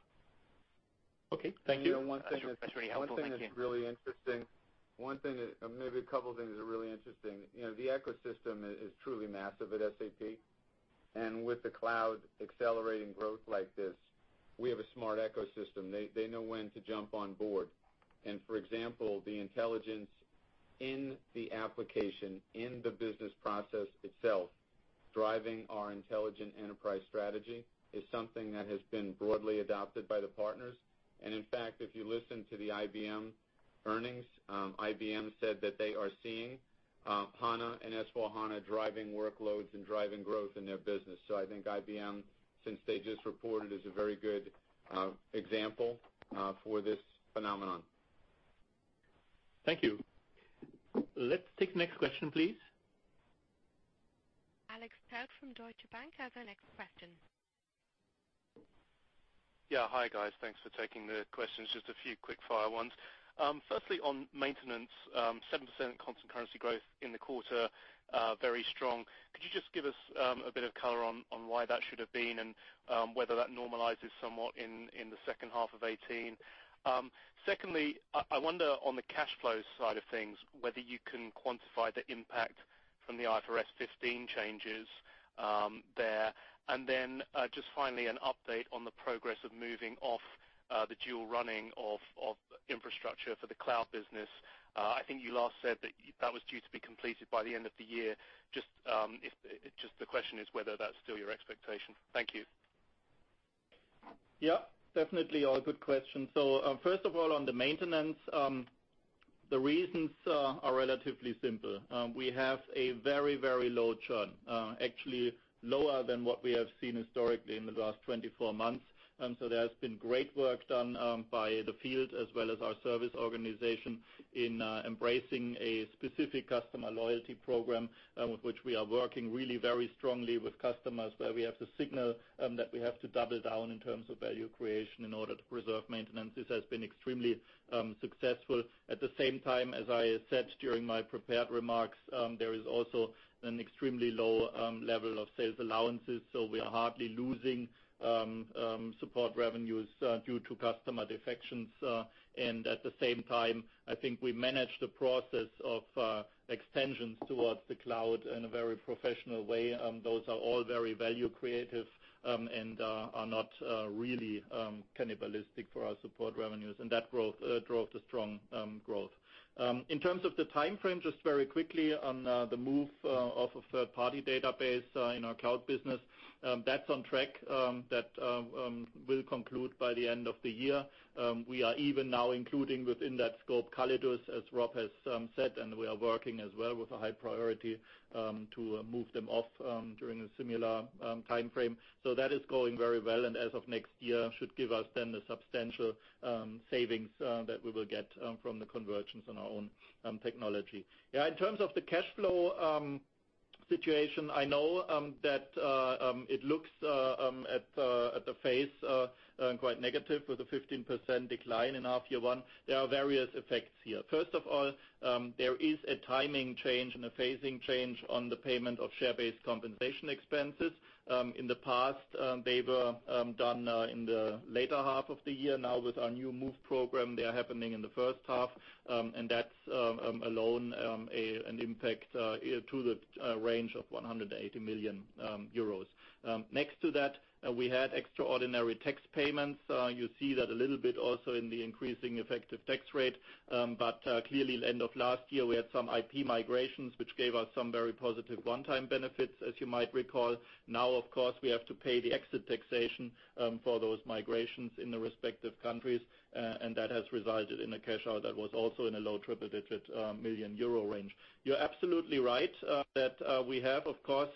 Okay. Thank you. That's really helpful. Thank you. One thing that's really interesting. Maybe a couple of things that are really interesting. The ecosystem is truly massive at SAP. With the cloud accelerating growth like this, we have a smart ecosystem. They know when to jump on board. For example, the intelligence in the application, in the business process itself, driving our Intelligent Enterprise strategy is something that has been broadly adopted by the partners. In fact, if you listen to the IBM earnings, IBM said that they are seeing HANA and S/4HANA driving workloads and driving growth in their business. I think IBM, since they just reported, is a very good example for this phenomenon. Thank you. Let's take next question, please. Alex Tout from Deutsche Bank has our next question. Hi, guys. Thanks for taking the questions. Just a few quick-fire ones. Firstly, on maintenance, 7% constant currency growth in the quarter, very strong. Could you just give us a bit of color on why that should have been and whether that normalizes somewhat in the second half of 2018? Secondly, I wonder on the cash flow side of things, whether you can quantify the impact from the IFRS 15 changes there. Then just finally, an update on the progress of moving off the dual running of infrastructure for the cloud business. I think you last said that was due to be completed by the end of the year. Just the question is whether that's still your expectation. Thank you. Definitely all good questions. First of all, on the maintenance, the reasons are relatively simple. We have a very, very low churn. Actually lower than what we have seen historically in the last 24 months. There has been great work done by the field as well as our service organization in embracing a specific customer loyalty program with which we are working really very strongly with customers where we have to signal that we have to double down in terms of value creation in order to preserve maintenance. This has been extremely successful. At the same time, as I said during my prepared remarks, there is also an extremely low level of sales allowances, so we are hardly losing support revenues due to customer defections. At the same time, I think we managed the process of extensions towards the cloud in a very professional way. Those are all very value creative and are not really cannibalistic for our support revenues. That drove the strong growth. In terms of the timeframe, just very quickly on the move of a third-party database in our cloud business. That's on track. That will conclude by the end of the year. We are even now including within that scope Callidus, as Rob has said, and we are working as well with a high priority to move them off during a similar timeframe. That is going very well, and as of next year, should give us then the substantial savings that we will get from the conversions on our own technology. In terms of the cash flow situation, I know that it looks at the face quite negative with a 15% decline in our Q1. There are various effects here. First of all, there is a timing change and a phasing change on the payment of share-based compensation expenses. In the past, they were done in the later half of the year. Now with our new move program, they are happening in the first half. That's alone an impact to the range of 180 million euros. Next to that, we had extraordinary tax payments. You see that a little bit also in the increasing effective tax rate. Clearly end of last year, we had some IP migrations, which gave us some very positive one-time benefits, as you might recall. Now, of course, we have to pay the exit taxation for those migrations in the respective countries. That has resulted in a cash out that was also in a low triple-digit million EUR range. You're absolutely right that we have, of course,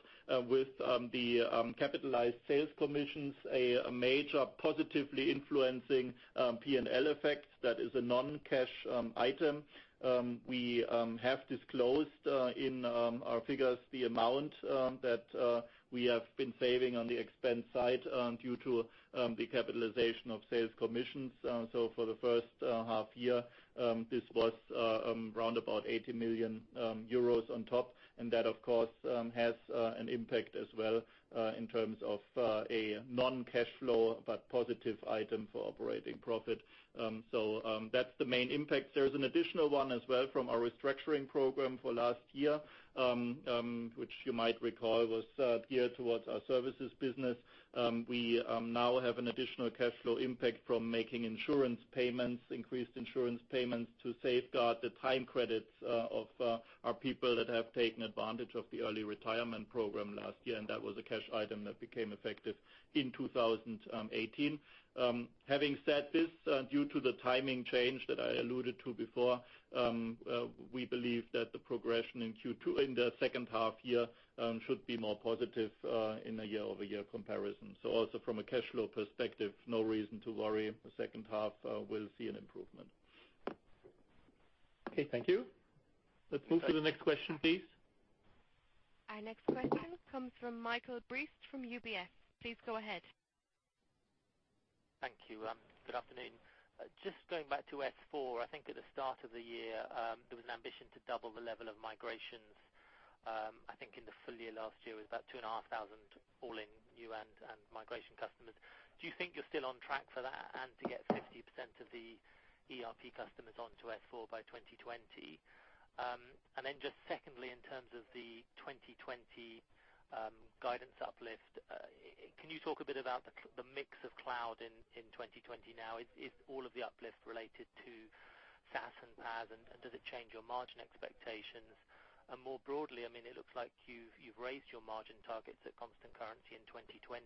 with the capitalized sales commissions, a major positively influencing P&L effect that is a non-cash item. We have disclosed in our figures the amount that we have been saving on the expense side due to the capitalization of sales commissions. For the first half year, this was around about 80 million euros on top, and that, of course, has an impact as well in terms of a non-cash flow, but positive item for operating profit. That's the main impact. There's an additional one as well from our restructuring program for last year, which you might recall was geared towards our services business. We now have an additional cash flow impact from making insurance payments, increased insurance payments to safeguard the time credits of our people that have taken advantage of the early retirement program last year. That was a cash item that became effective in 2018. Having said this, due to the timing change that I alluded to before, we believe that the progression in Q2, in the second half year, should be more positive in a year-over-year comparison. Also from a cash flow perspective, no reason to worry. The second half will see an improvement. Okay, thank you. Let's move to the next question, please. Our next question comes from Michael Briest from UBS. Please go ahead. Thank you. Good afternoon. Just going back to S/4, I think at the start of the year, there was an ambition to double the level of migrations. I think in the full year last year was about 2,500 all-in new and migration customers. Do you think you're still on track for that and to get 50% of the ERP customers onto S/4 by 2020? Then just secondly, in terms of the 2020 guidance uplift, can you talk a bit about the mix of cloud in 2020 now? Is all of the uplift related to SaaS and PaaS, and does it change your margin expectations? More broadly, it looks like you've raised your margin targets at constant currency in 2020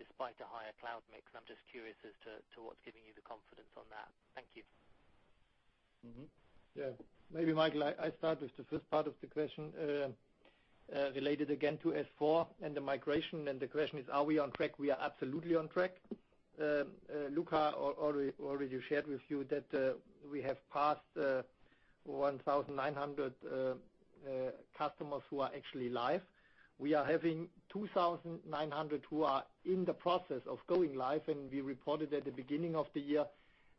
despite a higher cloud mix, and I'm just curious as to what's giving you the confidence on that. Thank you. Maybe, Michael, I start with the first part of the question. Related again to S/4 and the migration, the question is, are we on track? We are absolutely on track. Luka already shared with you that we have passed 1,900 customers who are actually live. We are having 2,900 who are in the process of going live, we reported at the beginning of the year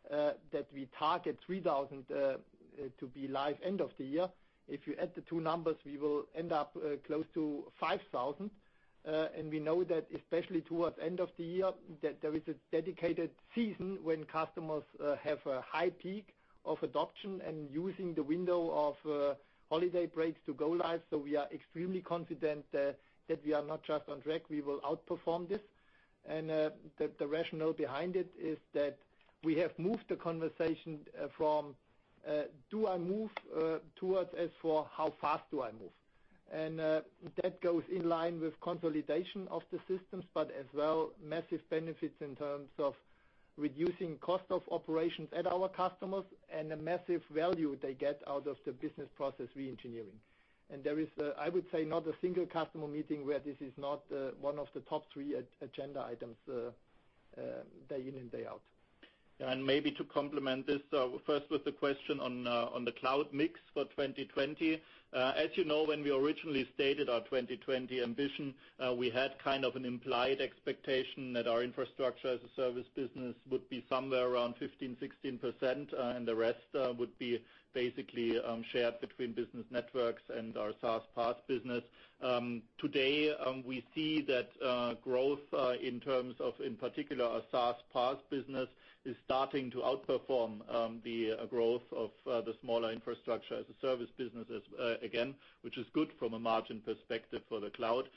that we target 3,000 to be live end of the year. If you add the two numbers, we will end up close to 5,000. We know that especially towards end of the year, that there is a dedicated season when customers have a high peak of adoption and using the window of holiday breaks to go live. We are extremely confident that we are not just on track, we will outperform this. The rationale behind it is that we have moved the conversation from do I move towards S/4, how fast do I move? That goes in line with consolidation of the systems, but as well, massive benefits in terms of reducing cost of operations at our customers and the massive value they get out of the business process reengineering. There is, I would say, not a single customer meeting where this is not one of the top three agenda items day in and day out. Maybe to complement this, first with the question on the cloud mix for 2020. As you know, when we originally stated our 2020 ambition, we had an implied expectation that our infrastructure as a service business would be somewhere around 15%, 16%, the rest would be basically shared between business networks and our SaaS PaaS business. Today, we see that growth in terms of, in particular, our SaaS PaaS business, is starting to outperform the growth of the smaller infrastructure as a service business again, which is good from a margin perspective for the cloud.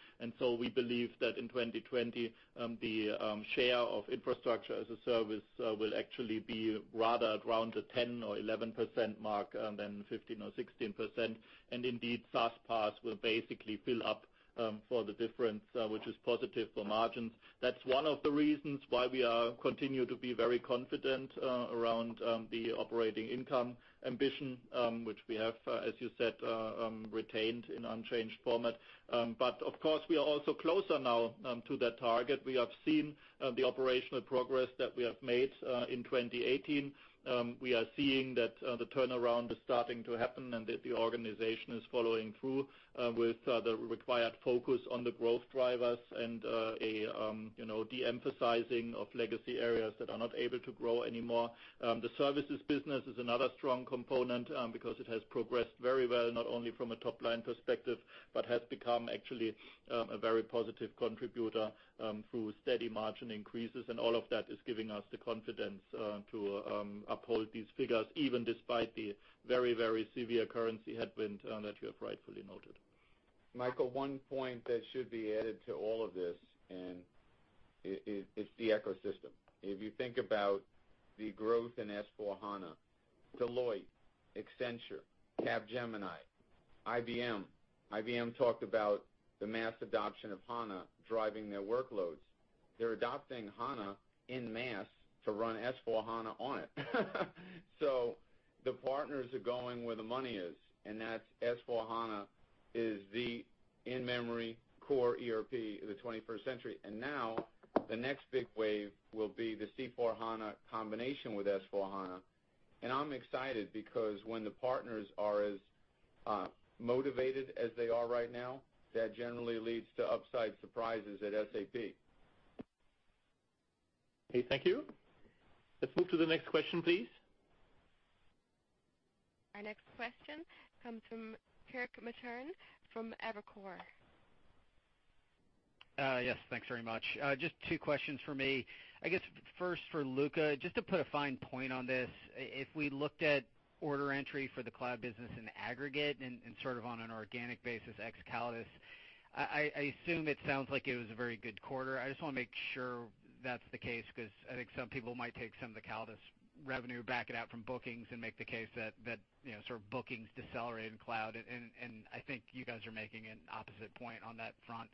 We believe that in 2020, the share of infrastructure as a service will actually be rather around the 10% or 11% mark than 15% or 16%. Indeed, SaaS PaaS will basically fill up for the difference, which is positive for margins. That's one of the reasons why we continue to be very confident around the operating income ambition, which we have, as you said, retained in unchanged format. Of course, we are also closer now to that target. We have seen the operational progress that we have made in 2018. We are seeing that the turnaround is starting to happen and that the organization is following through with the required focus on the growth drivers and a de-emphasizing of legacy areas that are not able to grow anymore. The services business is another strong component because it has progressed very well, not only from a top-line perspective, but has become actually a very positive contributor through steady margin increases. All of that is giving us the confidence to uphold these figures, even despite the very, very severe currency headwind that you have rightfully noted. Michael, one point that should be added to all of this, it's the ecosystem. If you think about the growth in S/4HANA, Deloitte, Accenture, Capgemini, IBM. IBM talked about the mass adoption of HANA driving their workloads. They're adopting HANA in mass to run S/4HANA on it. The partners are going where the money is, and that's S/4HANA is the in-memory core ERP of the 21st century. Now the next big wave will be the C/4HANA combination with S/4HANA, and I'm excited because when the partners are as motivated as they are right now, that generally leads to upside surprises at SAP. Okay, thank you. Let's move to the next question, please. Our next question comes from Kirk Materne from Evercore. Yes, thanks very much. Just two questions for me. I guess first for Luka, just to put a fine point on this, if we looked at order entry for the cloud business in aggregate and on an organic basis, ex Callidus, I assume it sounds like it was a very good quarter. I just want to make sure that's the case because I think some people might take some of the Callidus revenue, back it out from bookings, and make the case that bookings decelerated in cloud, and I think you guys are making an opposite point on that front.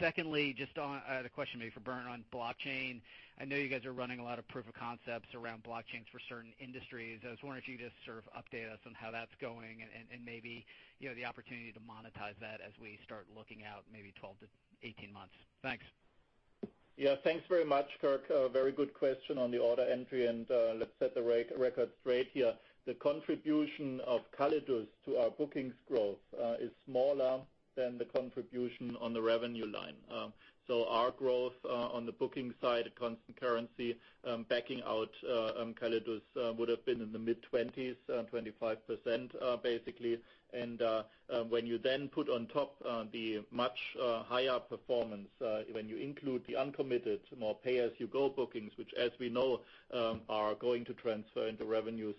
Secondly, just on the question maybe for Bernd on blockchain. I know you guys are running a lot of proof of concepts around blockchains for certain industries. I was wondering if you could just update us on how that's going and maybe the opportunity to monetize that as we start looking out maybe 12 to 18 months. Thanks. Thanks very much, Kirk. A very good question on the order entry. Let's set the record straight here. The contribution of Callidus to our bookings growth is smaller than the contribution on the revenue line. Our growth on the booking side, constant currency, backing out Callidus, would've been in the mid-20s, 25%, basically. When you then put on top the much higher performance, when you include the uncommitted, more pay-as-you-go bookings, which as we know are going to transfer into revenues,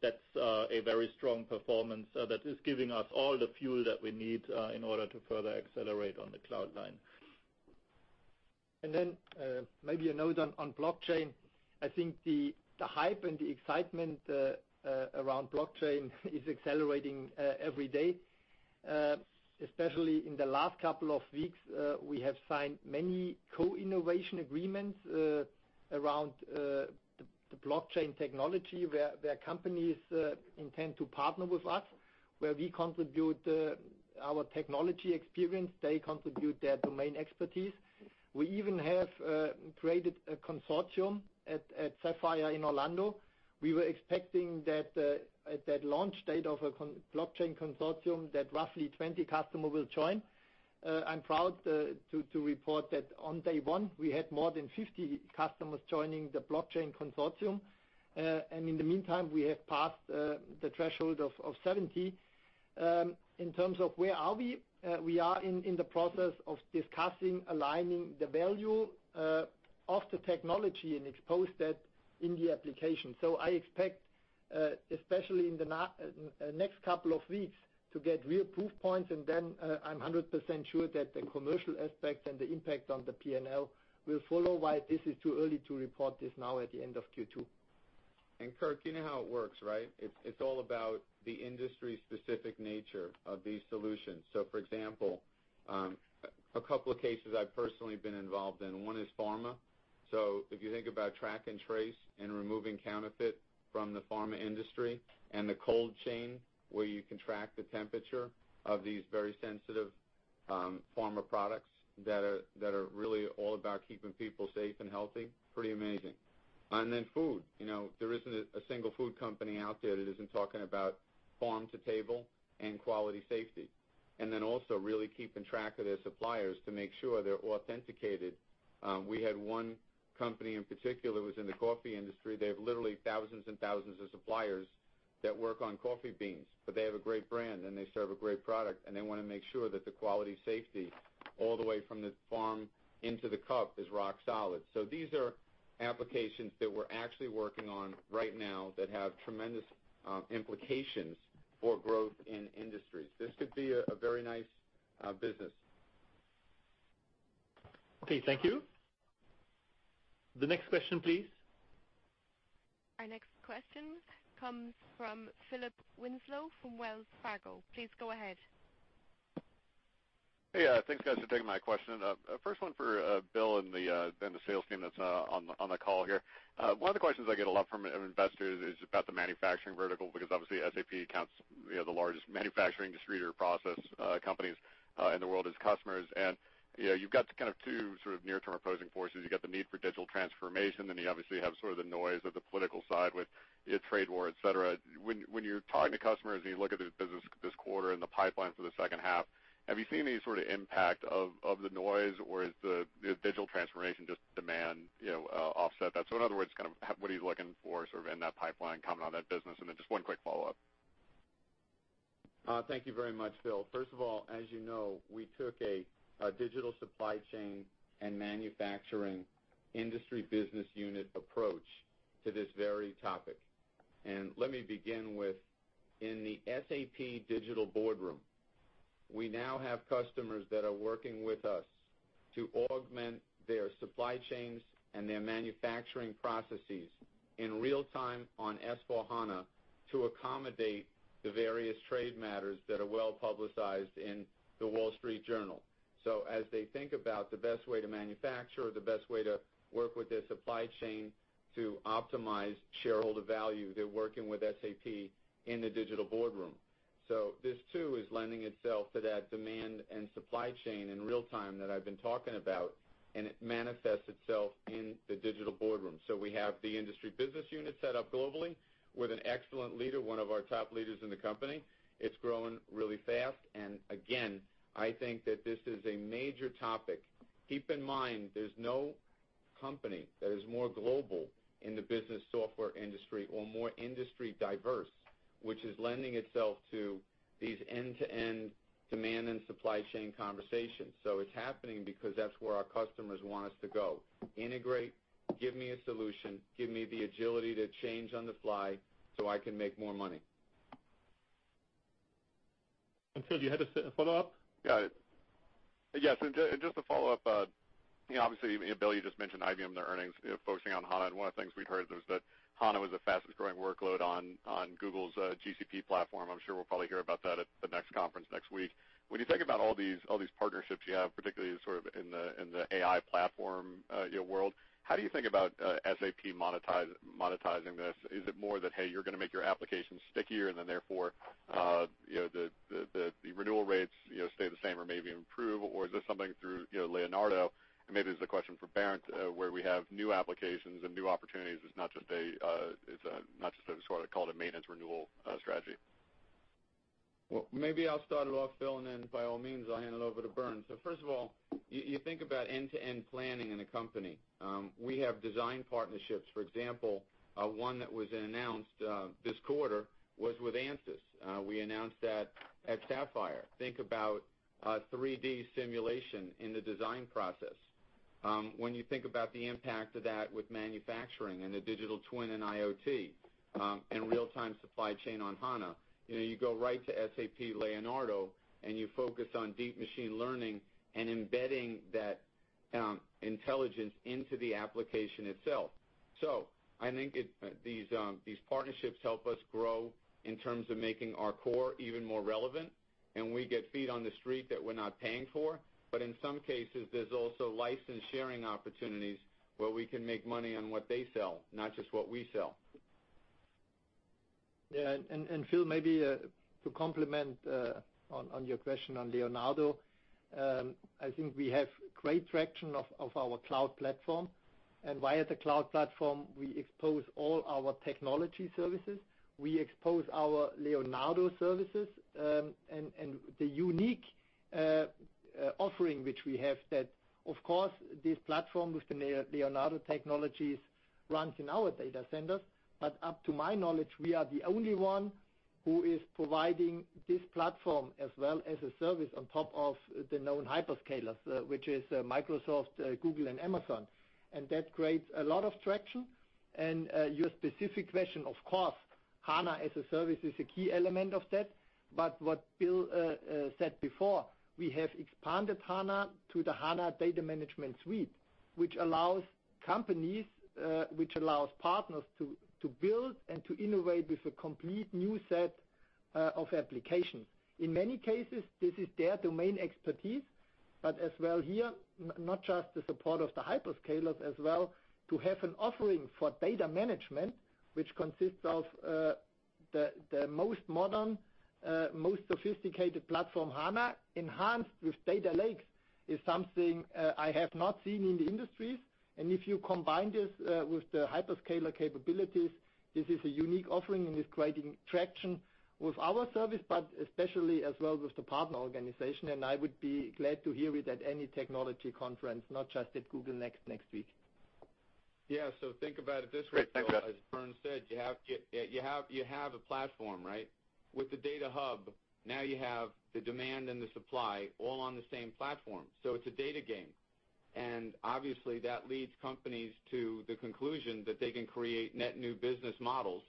that's a very strong performance that is giving us all the fuel that we need in order to further accelerate on the cloud line. Maybe a note on blockchain. I think the hype and the excitement around blockchain is accelerating every day. Especially in the last couple of weeks, we have signed many co-innovation agreements around the blockchain technology, where companies intend to partner with us, where we contribute our technology experience, they contribute their domain expertise. We even have created a consortium at SAP Sapphire in Orlando. We were expecting that at that launch date of a blockchain consortium, that roughly 20 customers will join. I'm proud to report that on day one, we had more than 50 customers joining the blockchain consortium. In the meantime, we have passed the threshold of 70. In terms of where are we? We are in the process of discussing aligning the value of the technology and expose that in the application. I expect, especially in the next couple of weeks, to get real proof points, and then I'm 100% sure that the commercial aspect and the impact on the P&L will follow, while this is too early to report this now at the end of Q2. Kirk, you know how it works, right? It's all about the industry specific nature of these solutions. For example, a couple of cases I've personally been involved in, one is pharma. If you think about track and trace and removing counterfeit from the pharma industry and the cold chain where you can track the temperature of these very sensitive pharma products that are really all about keeping people safe and healthy, pretty amazing. Then food. There isn't a single food company out there that isn't talking about farm to table and quality safety. Then also really keeping track of their suppliers to make sure they're authenticated. We had one company in particular, it was in the coffee industry. They have literally thousands and thousands of suppliers that work on coffee beans, they have a great brand, they serve a great product, and they want to make sure that the quality safety all the way from the farm into the cup is rock solid. These are applications that we're actually working on right now that have tremendous implications for growth in industries. This could be a very nice business. Okay, thank you. The next question, please. Our next question comes from Philip Winslow from Wells Fargo. Please go ahead. Hey, thanks guys for taking my question. First one for Bill and the sales team that's on the call here. One of the questions I get a lot from investors is about the manufacturing vertical, because obviously SAP accounts the largest manufacturing distributor process companies in the world as customers. You've got two sort of near-term opposing forces. You got the need for digital transformation, you obviously have sort of the noise of the political side with trade war, et cetera. When you're talking to customers, you look at the business this quarter and the pipeline for the second half, have you seen any sort of impact of the noise or is the digital transformation just demand offset that? In other words, what are you looking for sort of in that pipeline coming out of that business? Then just one quick follow-up. Thank you very much, Phil. First of all, as you know, we took a digital supply chain and manufacturing industry business unit approach to this very topic. Let me begin with, in the SAP Digital Boardroom, we now have customers that are working with us to augment their supply chains and their manufacturing processes in real time on S/4HANA to accommodate the various trade matters that are well publicized in The Wall Street Journal. As they think about the best way to manufacture or the best way to work with their supply chain to optimize shareholder value, they're working with SAP in the Digital Boardroom. This too is lending itself to that demand and supply chain in real time that I've been talking about, and it manifests itself in the Digital Boardroom. We have the industry business unit set up globally with an excellent leader, one of our top leaders in the company. It's growing really fast, I think that this is a major topic. Keep in mind, there's no company that is more global in the business software industry or more industry diverse, which is lending itself to these end-to-end demand and supply chain conversations. It's happening because that's where our customers want us to go. Integrate, give me a solution, give me the agility to change on the fly so I can make more money. Phil, you had a follow-up? Yes. Just to follow up, obviously, Bill, you just mentioned IBM, their earnings, focusing on HANA, one of the things we'd heard was that HANA was the fastest-growing workload on Google's GCP platform. I'm sure we'll probably hear about that at the next conference next week. When you think about all these partnerships you have, particularly sort of in the AI platform world, how do you think about SAP monetizing this? Is it more that, hey, you're going to make your applications stickier and then therefore, the renewal rates stay the same or maybe improve? Or is this something through Leonardo? Maybe this is a question for Bernd, where we have new applications and new opportunities, it's not just sort of called a maintenance renewal strategy. Well, maybe I'll start it off, Phil, by all means, I'll hand it over to Bernd. First of all, you think about end-to-end planning in a company. We have design partnerships, for example, one that was announced this quarter was with Ansys. We announced that at Sapphire. Think about 3D simulation in the design process. When you think about the impact of that with manufacturing and the digital twin and IoT, real-time supply chain on HANA, you go right to SAP Leonardo, you focus on deep machine learning and embedding that intelligence into the application itself. I think these partnerships help us grow in terms of making our core even more relevant, we get feet on the street that we're not paying for. In some cases, there's also license sharing opportunities where we can make money on what they sell, not just what we sell. Phil, maybe to complement on your question on Leonardo, I think we have great traction of our cloud platform. Via the cloud platform, we expose all our technology services. We expose our Leonardo services, and the unique offering which we have that, of course, this platform with the Leonardo technologies runs in our data centers. Up to my knowledge, we are the only one who is providing this platform as well as a service on top of the known hyperscalers, which is Microsoft, Google, and Amazon. That creates a lot of traction. Your specific question, of course. HANA as a service is a key element of that. What Bill said before, we have expanded HANA to the HANA Data Management Suite, which allows companies, which allows partners to build and to innovate with a complete new set of applications. In many cases, this is their domain expertise, but as well here, not just the support of the hyperscalers as well, to have an offering for data management, which consists of the most modern, most sophisticated platform, HANA, enhanced with data lakes, is something I have not seen in the industries. If you combine this with the hyperscaler capabilities, this is a unique offering and is creating traction with our service, but especially as well with the partner organization. I would be glad to hear it at any technology conference, not just at Google Cloud Next next week. Yeah. Think about it this way. Great, thanks, guys. As Bernd said, you have a platform, right? With the SAP Data Hub, now you have the demand and the supply all on the same platform. It's a data game. Obviously that leads companies to the conclusion that they can create net new business models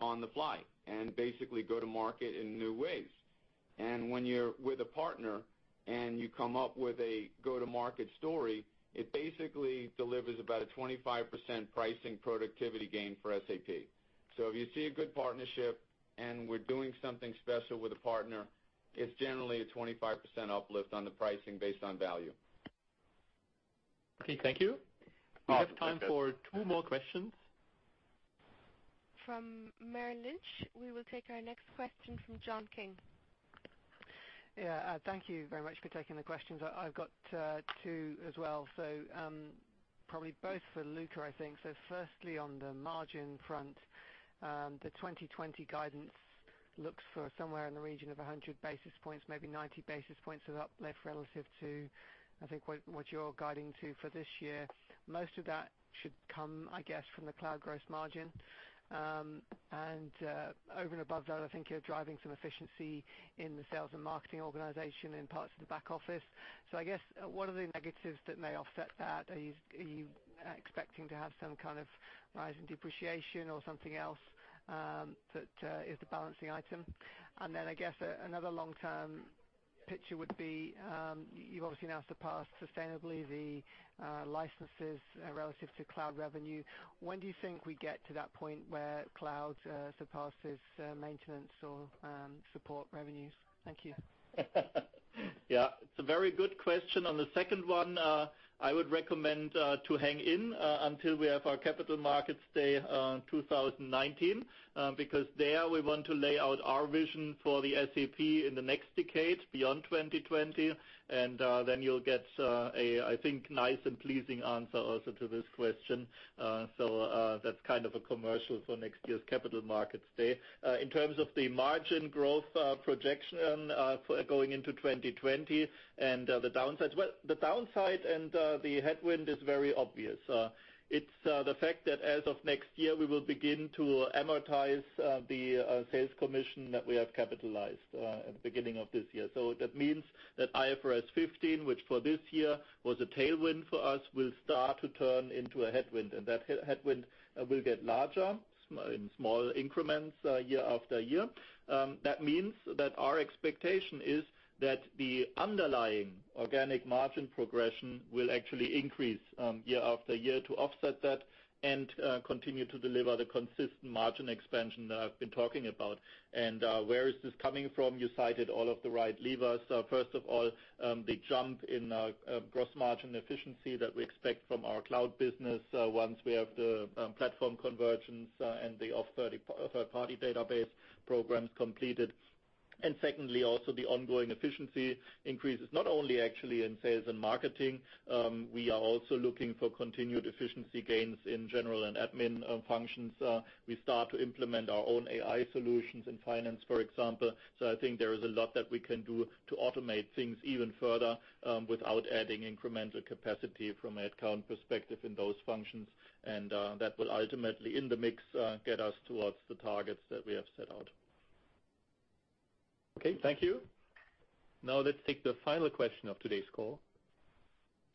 on the fly and basically go to market in new ways. When you're with a partner and you come up with a go-to-market story, it basically delivers about a 25% pricing productivity gain for SAP. If you see a good partnership and we're doing something special with a partner, it's generally a 25% uplift on the pricing based on value. Okay, thank you. Awesome. Thanks guys. We have time for two more questions. From Merrill Lynch. We will take our next question from John King. Yeah. Thank you very much for taking the questions. I've got two as well. Probably both for Luka, I think. Firstly, on the margin front, the 2020 guidance looks for somewhere in the region of 100 basis points, maybe 90 basis points of uplift relative to, I think, what you're guiding to for this year. Most of that should come, I guess, from the cloud gross margin. Over and above that, I think you're driving some efficiency in the sales and marketing organization in parts of the back office. I guess, what are the negatives that may offset that? Are you expecting to have some kind of rise in depreciation or something else, that is the balancing item? I guess, another long term picture would be, you've obviously now surpassed sustainably the licenses relative to cloud revenue. When do you think we get to that point where cloud surpasses maintenance or support revenues? Thank you. Yeah. It's a very good question. On the second one, I would recommend to hang in until we have our Capital Markets Day 2019, because there we want to lay out our vision for SAP in the next decade, beyond 2020. Then you'll get a, I think, nice and pleasing answer also to this question. That's kind of a commercial for next year's Capital Markets Day. In terms of the margin growth projection going into 2020 and the downsides. Well, the downside and the headwind is very obvious. It's the fact that as of next year, we will begin to amortize the sales commission that we have capitalized at the beginning of this year. That means that IFRS 15, which for this year was a tailwind for us, will start to turn into a headwind. That headwind will get larger in small increments year after year. That means that our expectation is that the underlying organic margin progression will actually increase year after year to offset that, and continue to deliver the consistent margin expansion that I've been talking about. Where is this coming from? You cited all of the right levers. First of all, the jump in gross margin efficiency that we expect from our cloud business once we have the platform convergence, and the third party database programs completed. Secondly, also the ongoing efficiency increases, not only actually in sales and marketing, we are also looking for continued efficiency gains in general and admin functions. We start to implement our own AI solutions in finance, for example. I think there is a lot that we can do to automate things even further, without adding incremental capacity from a headcount perspective in those functions. That will ultimately, in the mix, get us towards the targets that we have set out. Okay, thank you. Now let's take the final question of today's call.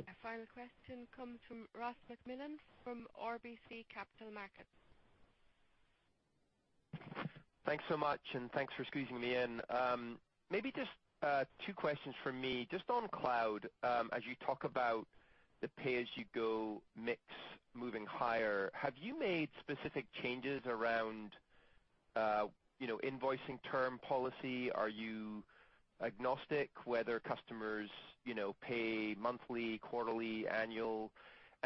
Our final question comes from Ross MacMillan from RBC Capital Markets. Thanks so much, and thanks for squeezing me in. Maybe just two questions from me. Just on cloud, as you talk about the pay-as-you-go mix moving higher, have you made specific changes around invoicing term policy? Are you agnostic whether customers pay monthly, quarterly, annual?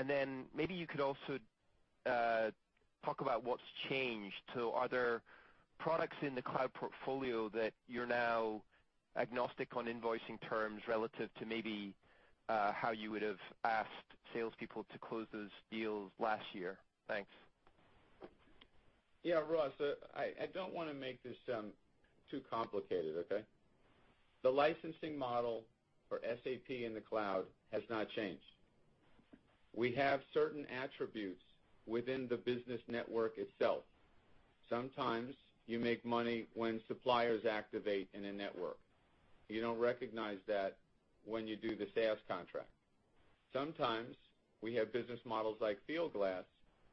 Then maybe you could also talk about what's changed. Are there products in the cloud portfolio that you're now agnostic on invoicing terms relative to maybe how you would have asked salespeople to close those deals last year? Thanks. Yeah, Ross, I don't want to make this too complicated, okay? The licensing model for SAP in the cloud has not changed. We have certain attributes within the Business Network itself. Sometimes you make money when suppliers activate in a network. You don't recognize that when you do the sales contract. Sometimes we have business models like Fieldglass,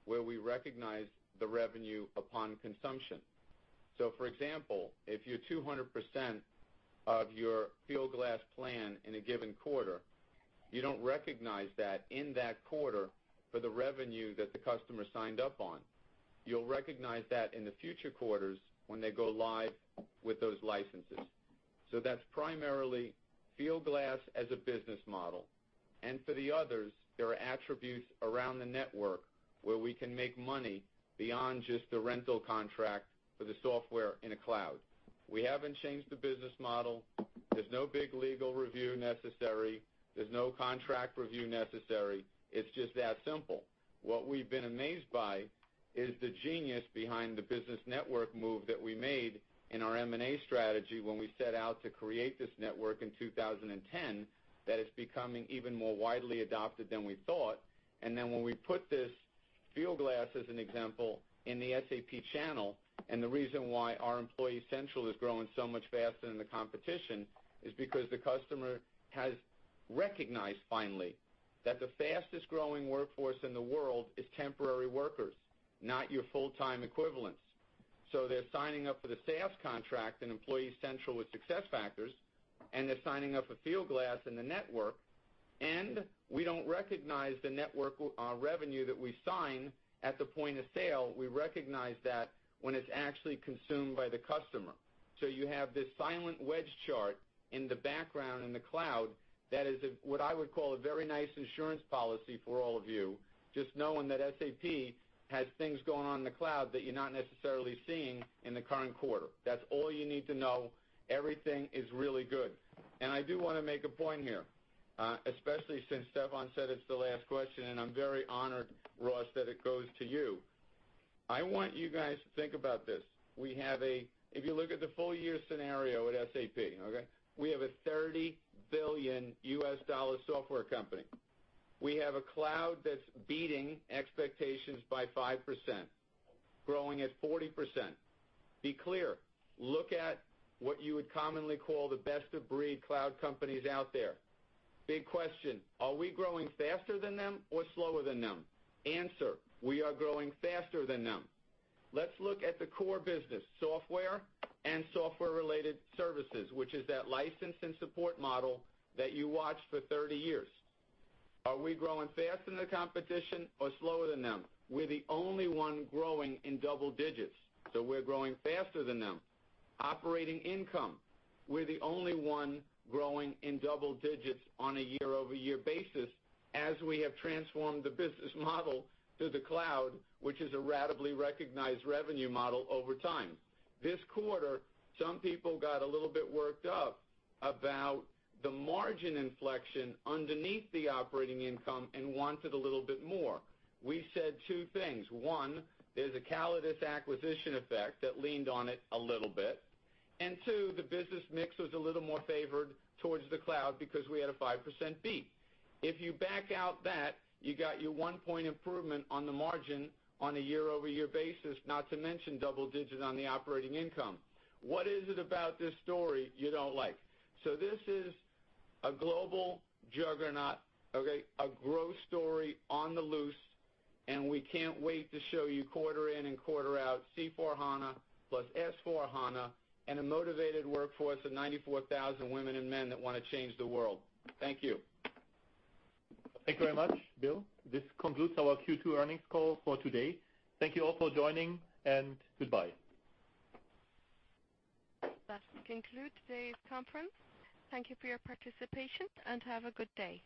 where we recognize the revenue upon consumption. For example, if you're 200% of your Fieldglass plan in a given quarter, you don't recognize that in that quarter for the revenue that the customer signed up on. You'll recognize that in the future quarters when they go live with those licenses. That's primarily Fieldglass as a business model, and for the others, there are attributes around the Business Network where we can make money beyond just the rental contract for the software in a cloud. We haven't changed the business model. There's no big legal review necessary. There's no contract review necessary. It's just that simple. What we've been amazed by is the genius behind the Business Network move that we made in our M&A strategy when we set out to create this network in 2010, that it's becoming even more widely adopted than we thought. When we put this Fieldglass, as an example, in the SAP channel, and the reason why our Employee Central is growing so much faster than the competition, is because the customer has recognized finally that the fastest-growing workforce in the world is temporary workers, not your full-time equivalents. They're signing up for the SaaS contract in Employee Central with SuccessFactors, and they're signing up for Fieldglass in the Business Network. We don't recognize the Business Network revenue that we sign at the point of sale. We recognize that when it's actually consumed by the customer. You have this silent wedge chart in the background in the cloud that is what I would call a very nice insurance policy for all of you, just knowing that SAP has things going on in the cloud that you're not necessarily seeing in the current quarter. That's all you need to know. Everything is really good. I do want to make a point here, especially since Stefan said it's the last question, and I'm very honored, Ross, that it goes to you. I want you guys to think about this. If you look at the full-year scenario at SAP, okay? We have a EUR 30 billion software company. We have a cloud that's beating expectations by 5%, growing at 40%. Be clear. Look at what you would commonly call the best-of-breed cloud companies out there. Big question, are we growing faster than them or slower than them? Answer, we are growing faster than them. Let's look at the core business, software and software-related services, which is that license and support model that you watched for 30 years. Are we growing faster than the competition or slower than them? We're the only one growing in double digits, we're growing faster than them. Operating income, we're the only one growing in double digits on a year-over-year basis as we have transformed the business model to the cloud, which is a ratably recognized revenue model over time. This quarter, some people got a little bit worked up about the margin inflection underneath the operating income and wanted a little bit more. We said two things. One, there's a Callidus acquisition effect that leaned on it a little bit, 2, the business mix was a little more favored towards the cloud because we had a 5% beat. If you back out that, you got your 1 point improvement on the margin on a year-over-year basis, not to mention double digit on the operating income. What is it about this story you don't like? This is a global juggernaut, okay? A growth story on the loose, and we can't wait to show you quarter in and quarter out, C/4HANA plus S/4HANA, and a motivated workforce of 94,000 women and men that want to change the world. Thank you. Thank you very much, Bill. This concludes our Q2 earnings call for today. Thank you all for joining, and goodbye. That concludes today's conference. Thank you for your participation, and have a good day.